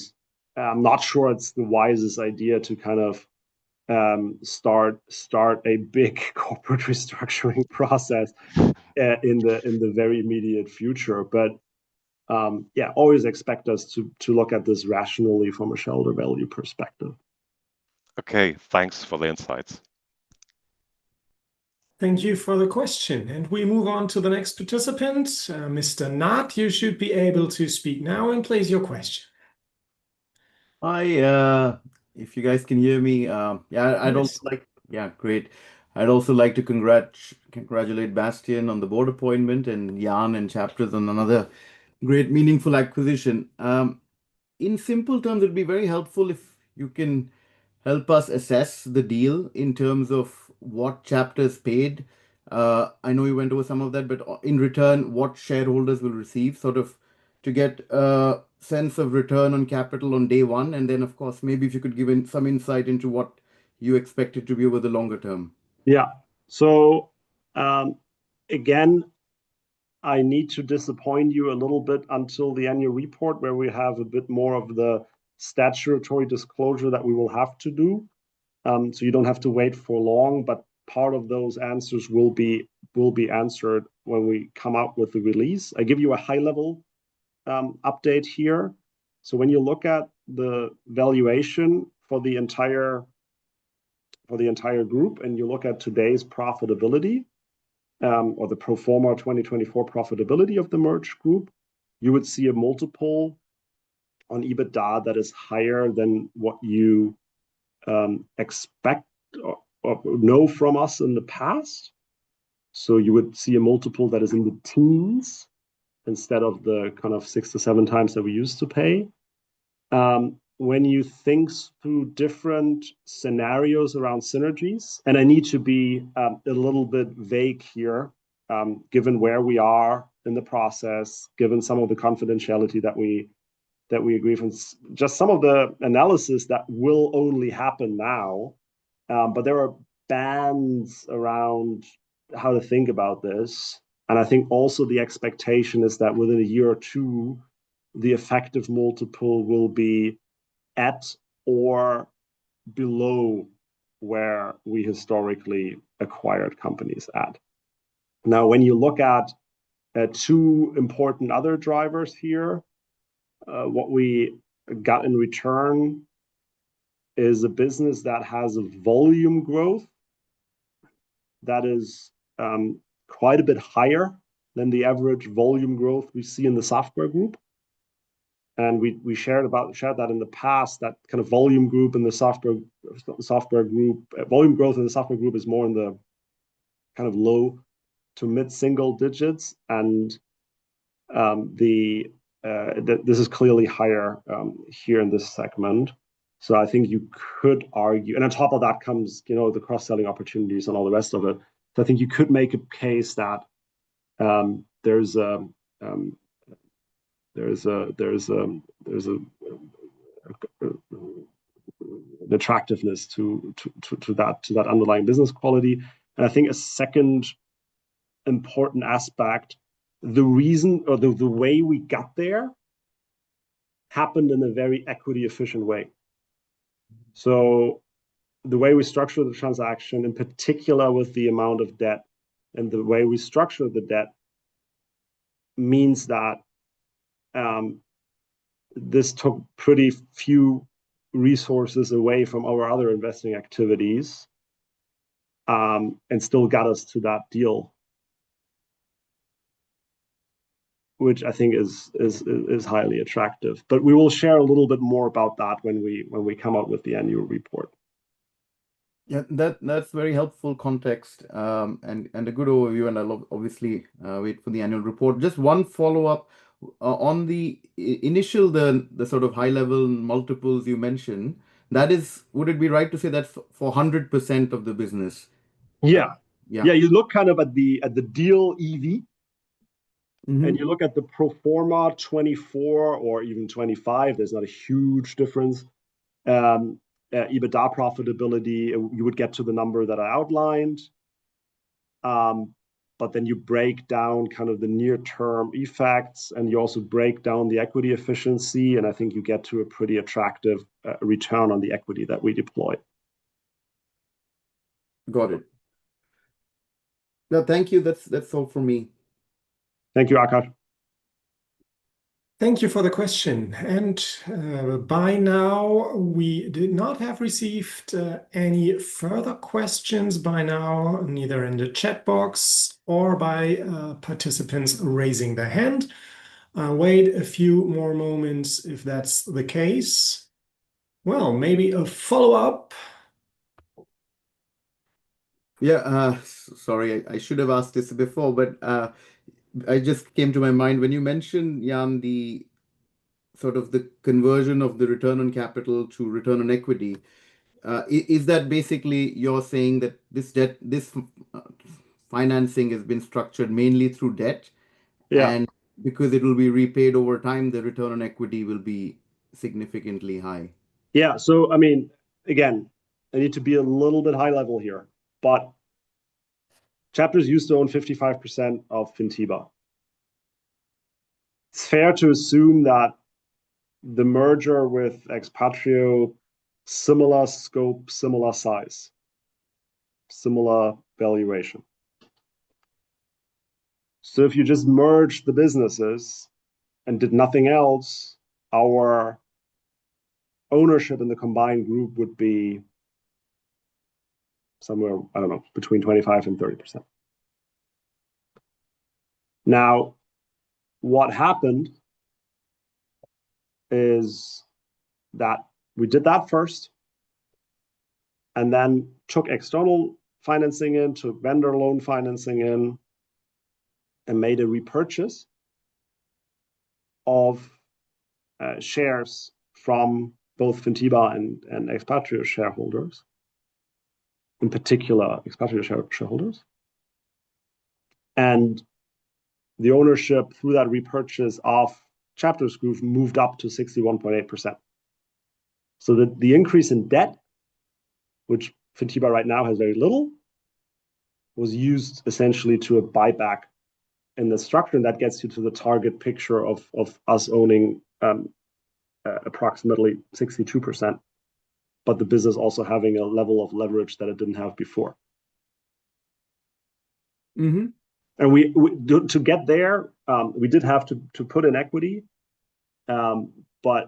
Speaker 2: not sure it's the wisest idea to kind of start a big corporate restructuring process in the very immediate future. Yeah, always expect us to look at this rationally from a shareholder value perspective. Okay, thanks for the insights.
Speaker 1: Thank you for the question. We move on to the next participant. Mr. Knott, you should be able to speak now and place your question. Hi, if you guys can hear me. Yeah, great. I'd also like to congratulate Bastian on the Board appointment and Jan and CHAPTERS on another great, meaningful acquisition. In simple terms, it would be very helpful if you can help us assess the deal in terms of what CHAPTERS paid. I know you went over some of that, but in return, what shareholders will receive, sort of to get a sense of return on capital on day one. Of course, maybe if you could give some insight into what you expected to be over the longer term.
Speaker 2: Yeah. Again, I need to disappoint you a little bit until the annual report where we have a bit more of the statutory disclosure that we will have to do. You do not have to wait for long, but part of those answers will be answered when we come out with the release. I give you a high-level update here. When you look at the valuation for the entire group and you look at today's profitability or the pro forma 2024 profitability of the merged group, you would see a multiple on EBITDA that is higher than what you expect or know from us in the past. You would see a multiple that is in the teens instead of the kind of six to seven times that we used to pay. When you think through different scenarios around synergies—and I need to be a little bit vague here given where we are in the process, given some of the confidentiality that we agree from just some of the analysis that will only happen now, but there are bands around how to think about this. I think also the expectation is that within a year or two, the effective multiple will be at or below where we historically acquired companies at. Now, when you look at two important other drivers here, what we got in return is a business that has a volume growth that is quite a bit higher than the average volume growth we see in the Software Group. We shared that in the past, that kind of volume growth in the Software Group is more in the low to mid-single digits. This is clearly higher here in this segment. I think you could argue—and on top of that comes the cross-selling opportunities and all the rest of it. I think you could make a case that there is an attractiveness to that underlying business quality. I think a second important aspect, the reason or the way we got there happened in a very equity-efficient way. The way we structured the transaction, in particular with the amount of debt and the way we structured the debt, means that this took pretty few resources away from our other investing activities and still got us to that deal, which I think is highly attractive. We will share a little bit more about that when we come out with the annual report. Yeah, that's very helpful context and a good overview. I'll obviously wait for the annual report. Just one follow-up. On the initial, the sort of high-level multiples you mentioned, would it be right to say that's for 100% of the business? Yeah. Yeah, you look kind of at the deal EV, and you look at the pro forma 2024 or even 2025, there's not a huge difference. EBITDA profitability, you would get to the number that I outlined. Then you break down kind of the near-term effects, and you also break down the equity efficiency, and I think you get to a pretty attractive return on the equity that we deployed. Got it. No, thank you. That's all for me. Thank you, Akash.
Speaker 1: Thank you for the question. By now, we did not have received any further questions, neither in the chat box or by participants raising their hand. I will wait a few more moments if that's the case. Maybe a follow-up. Yeah, sorry, I should have asked this before, but it just came to my mind when you mentioned, Jan, the sort of the conversion of the return on capital to return on equity. Is that basically you're saying that this financing has been structured mainly through debt? Yeah. And because it will be repaid over time, the return on equity will be significantly high.
Speaker 2: Yeah. I mean, again, I need to be a little bit high-level here, but CHAPTERS used to own 55% of Fintiba. It's fair to assume that the merger with Expatrio, similar scope, similar size, similar valuation. If you just merged the businesses and did nothing else, our ownership in the combined group would be somewhere, I do not know, between 25% and 30%. What happened is that we did that first and then took external financing in, took vendor loan financing in, and made a repurchase of shares from both Fintiba and Expatrio shareholders, in particular, Expatrio shareholders. The ownership through that repurchase of CHAPTERS Group moved up to 61.8%. The increase in debt, which Fintiba right now has very little, was used essentially to a buyback in the structure. That gets you to the target picture of us owning approximately 62%, but the business also having a level of leverage that it did not have before. To get there, we did have to put in equity, but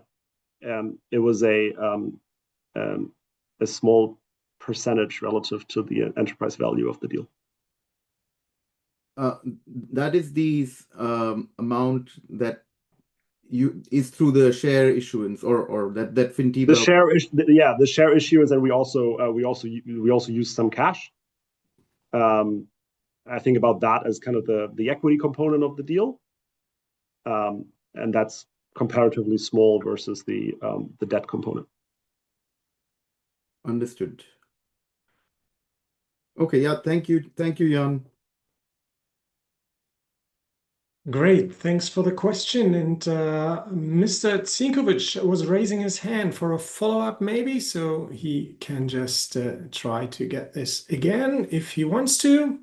Speaker 2: it was a small percentage relative to the enterprise value of the deal. That is the amount that is through the share issuance or that Fintiba— The share issue is that we also use some cash. I think about that as kind of the equity component of the deal. And that's comparatively small versus the debt component. Understood. Okay. Yeah. Thank you, Jan.
Speaker 1: Great. Thanks for the question. And Mr. Zenkovich was raising his hand for a follow-up maybe, so he can just try to get this again if he wants to.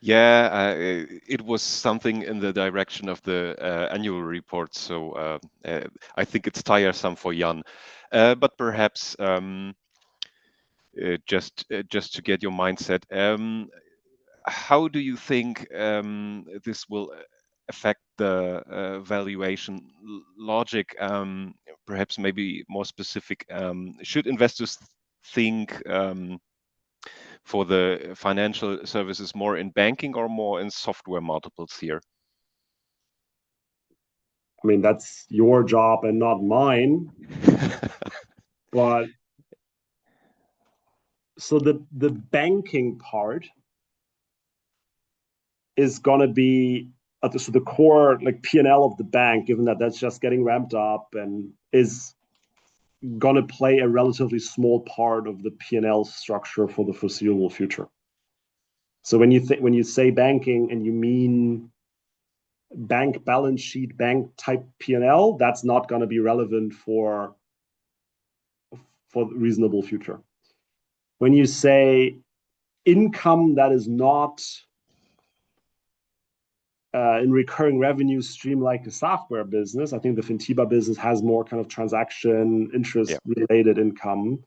Speaker 1: Yeah. It was something in the direction of the annual report, so I think it's tiresome for Jan. But perhaps just to get your mind set, how do you think this will affect the valuation logic? Perhaps maybe more specific, should investors think for the financial services more in banking or more in software multiples here?
Speaker 2: I mean, that's your job and not mine. The banking part is going to be the core P&L of the bank, given that that's just getting ramped up and is going to play a relatively small part of the P&L structure for the foreseeable future. When you say banking and you mean bank balance sheet, bank-type P&L, that's not going to be relevant for the reasonable future. When you say income that is not in recurring revenue stream like the software business, I think the Fintiba business has more kind of transaction interest-related income.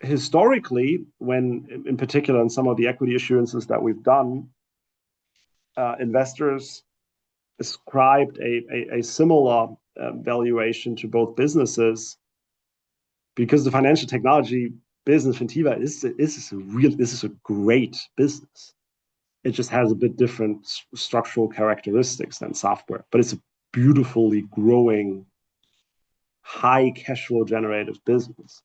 Speaker 2: Historically, in particular, in some of the equity issuances that we've done, investors ascribed a similar valuation to both businesses because the financial technology business, Fintiba, is a great business. It just has a bit different structural characteristics than software, but it's a beautifully growing, high-cash flow generative business.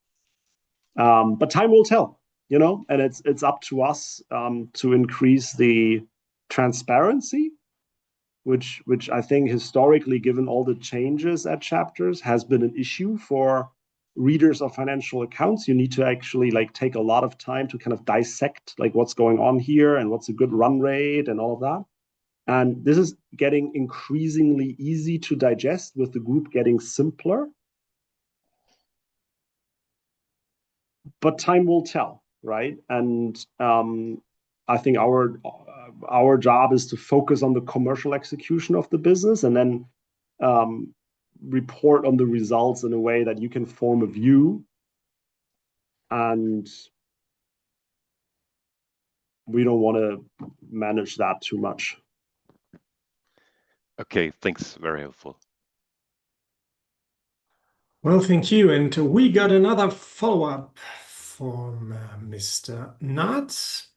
Speaker 2: Time will tell. It is up to us to increase the transparency, which I think historically, given all the changes at CHAPTERS, has been an issue for readers of financial accounts. You need to actually take a lot of time to kind of dissect what is going on here and what is a good run rate and all of that. This is getting increasingly easy to digest with the group getting simpler. Time will tell, right? I think our job is to focus on the commercial execution of the business and then report on the results in a way that you can form a view. We do not want to manage that too much. Okay. Thanks. Very helpful.
Speaker 1: Thank you. We got another follow-up from Mr. Knotts.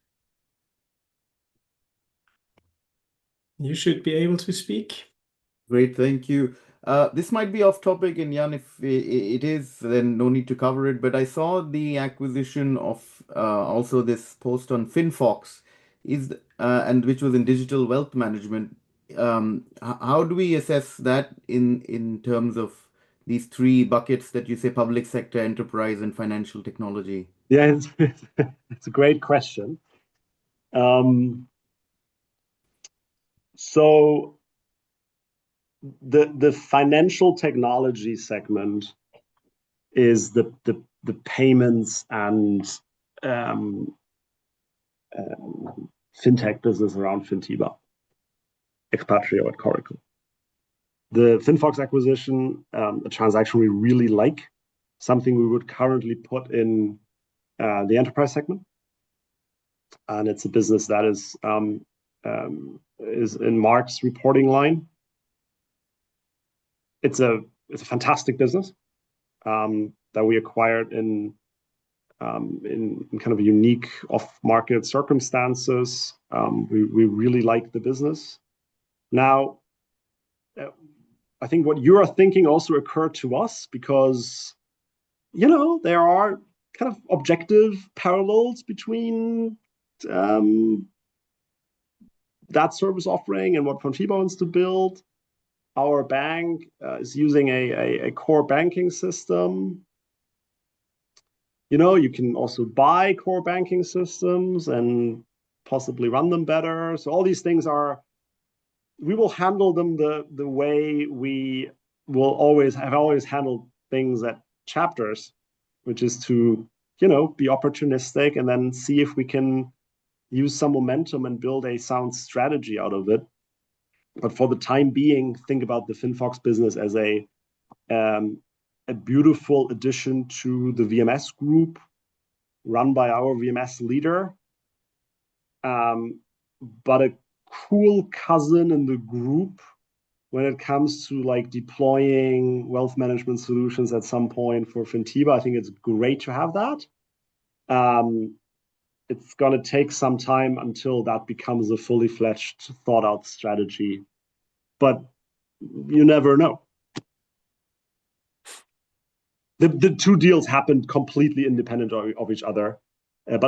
Speaker 1: You should be able to speak. Great. Thank you. This might be off-topic, and Jan, if it is, then no need to cover it. But I saw the acquisition of also this post on Finfox, which was in digital wealth management. How do we assess that in terms of these three buckets that you say, public sector, enterprise, and financial technology?
Speaker 2: Yeah, it's a great question. The financial technology segment is the payments and fintech business around Fintiba, Expatrio, and Coracle. The Finfox acquisition, a transaction we really like, is something we would currently put in the enterprise segment. It's a business that is in Mark's reporting line. It's a fantastic business that we acquired in kind of unique off-market circumstances. We really like the business. Now, I think what you are thinking also occurred to us because there are kind of objective parallels between that service offering and what Fintiba wants to build. Our bank is using a core banking system. You can also buy core banking systems and possibly run them better. All these things are we will handle them the way we have always handled things at CHAPTERS, which is to be opportunistic and then see if we can use some momentum and build a sound strategy out of it. For the time being, think about the FinFox business as a beautiful addition to the VMS Group run by our VMS leader. A cool cousin in the group when it comes to deploying wealth management solutions at some point for Fintiba, I think it's great to have that. It's going to take some time until that becomes a fully fledged thought-out strategy. You never know. The two deals happened completely independent of each other.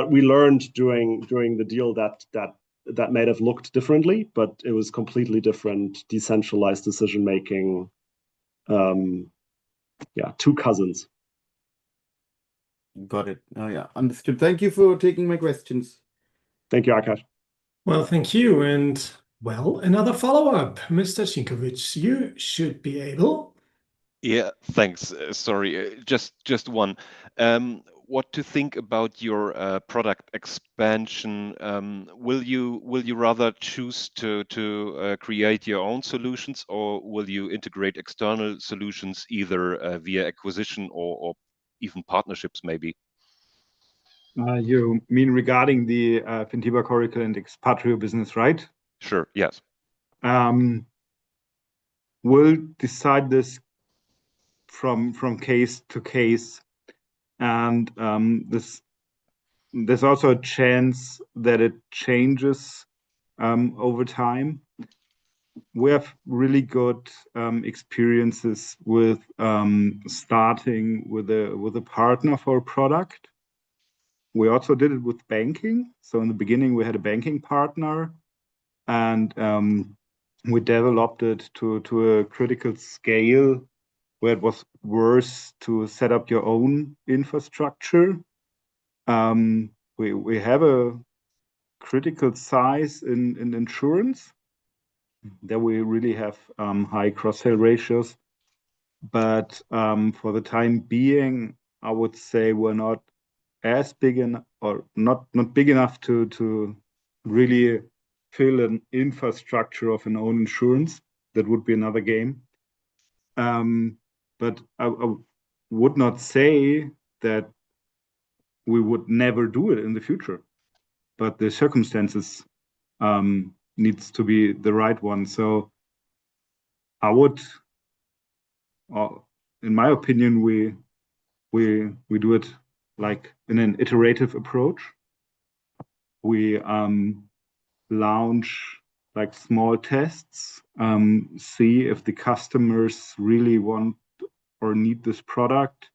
Speaker 2: We learned during the deal that might have looked differently, but it was completely different decentralized decision-making. Yeah, two cousins. Got it. Yeah. Understood. Thank you for taking my questions. Thank you, Akash.
Speaker 1: Thank you. Another follow-up. Mr. Zenkovich, you should be able. Yeah. Thanks. Sorry. Just one. What to think about your product expansion? Will you rather choose to create your own solutions, or will you integrate external solutions either via acquisition or even partnerships maybe?
Speaker 2: You mean regarding the Fintiba, Coracle, and Expatrio business, right? Sure. Yes. We'll decide this from case to case. And there's also a chance that it changes over time. We have really good experiences with starting with a partner for a product. We also did it with banking. In the beginning, we had a banking partner, and we developed it to a critical scale where it was worth to set up your own infrastructure. We have a critical size in insurance that we really have high cross-sale ratios. For the time being, I would say we're not as big or not big enough to really fill an infrastructure of an owned insurance. That would be another game. I would not say that we would never do it in the future. The circumstances need to be the right one. In my opinion, we do it in an iterative approach. We launch small tests, see if the customers really want or need this product.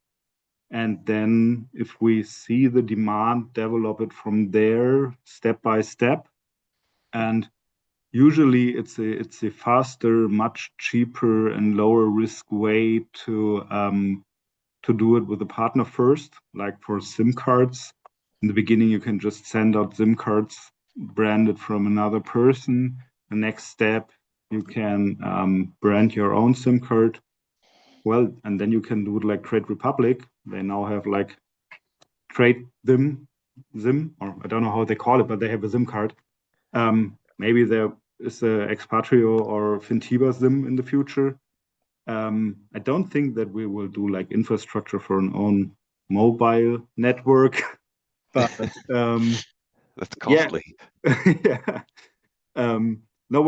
Speaker 2: If we see the demand, develop it from there step by step.
Speaker 3: Usually, it's a faster, much cheaper, and lower-risk way to do it with a partner first. For SIM cards, in the beginning, you can just send out SIM cards branded from another person. The next step, you can brand your own SIM card. They now have Trade Republic, Trade ZIM, or I don't know how they call it, but they have a SIM card. Maybe there is an Expatrio or Fintiba ZIM in the future. I don't think that we will do infrastructure for an own mobile network. That's costly. Yeah. No,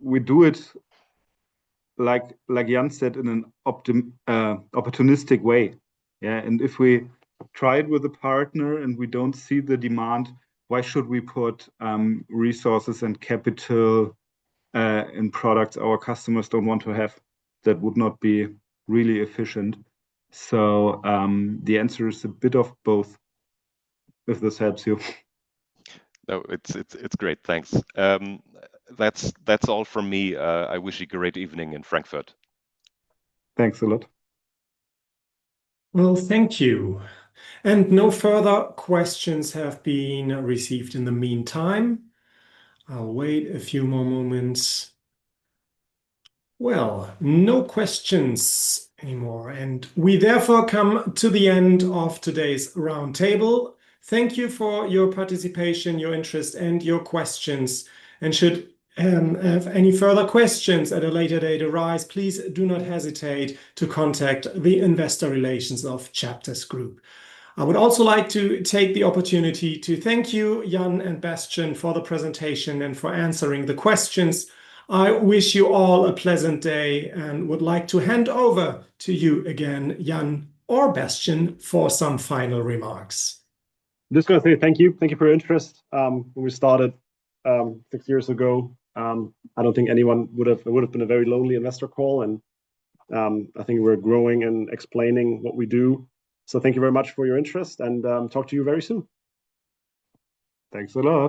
Speaker 3: we do it, like Jan said, in an opportunistic way. Yeah. If we try it with a partner and we don't see the demand, why should we put resources and capital in products our customers don't want to have? That would not be really efficient. The answer is a bit of both, if this helps you. No, it's great. Thanks. That's all from me. I wish you a great evening in Frankfurt. Thanks a lot.
Speaker 1: Thank you. No further questions have been received in the meantime. I'll wait a few more moments. No questions anymore. We therefore come to the end of today's roundtable. Thank you for your participation, your interest, and your questions. Should any further questions at a later date arise, please do not hesitate to contact the Investor Relations of CHAPTERS Group. I would also like to take the opportunity to thank you, Jan and Bastian, for the presentation and for answering the questions. I wish you all a pleasant day and would like to hand over to you again, Jan or Bastian, for some final remarks.
Speaker 3: Just going to say thank you.
Speaker 2: Thank you for your interest. When we started six years ago, I don't think anyone would have been a very lonely investor call. I think we're growing and explaining what we do. Thank you very much for your interest, and talk to you very soon. Thanks a lot.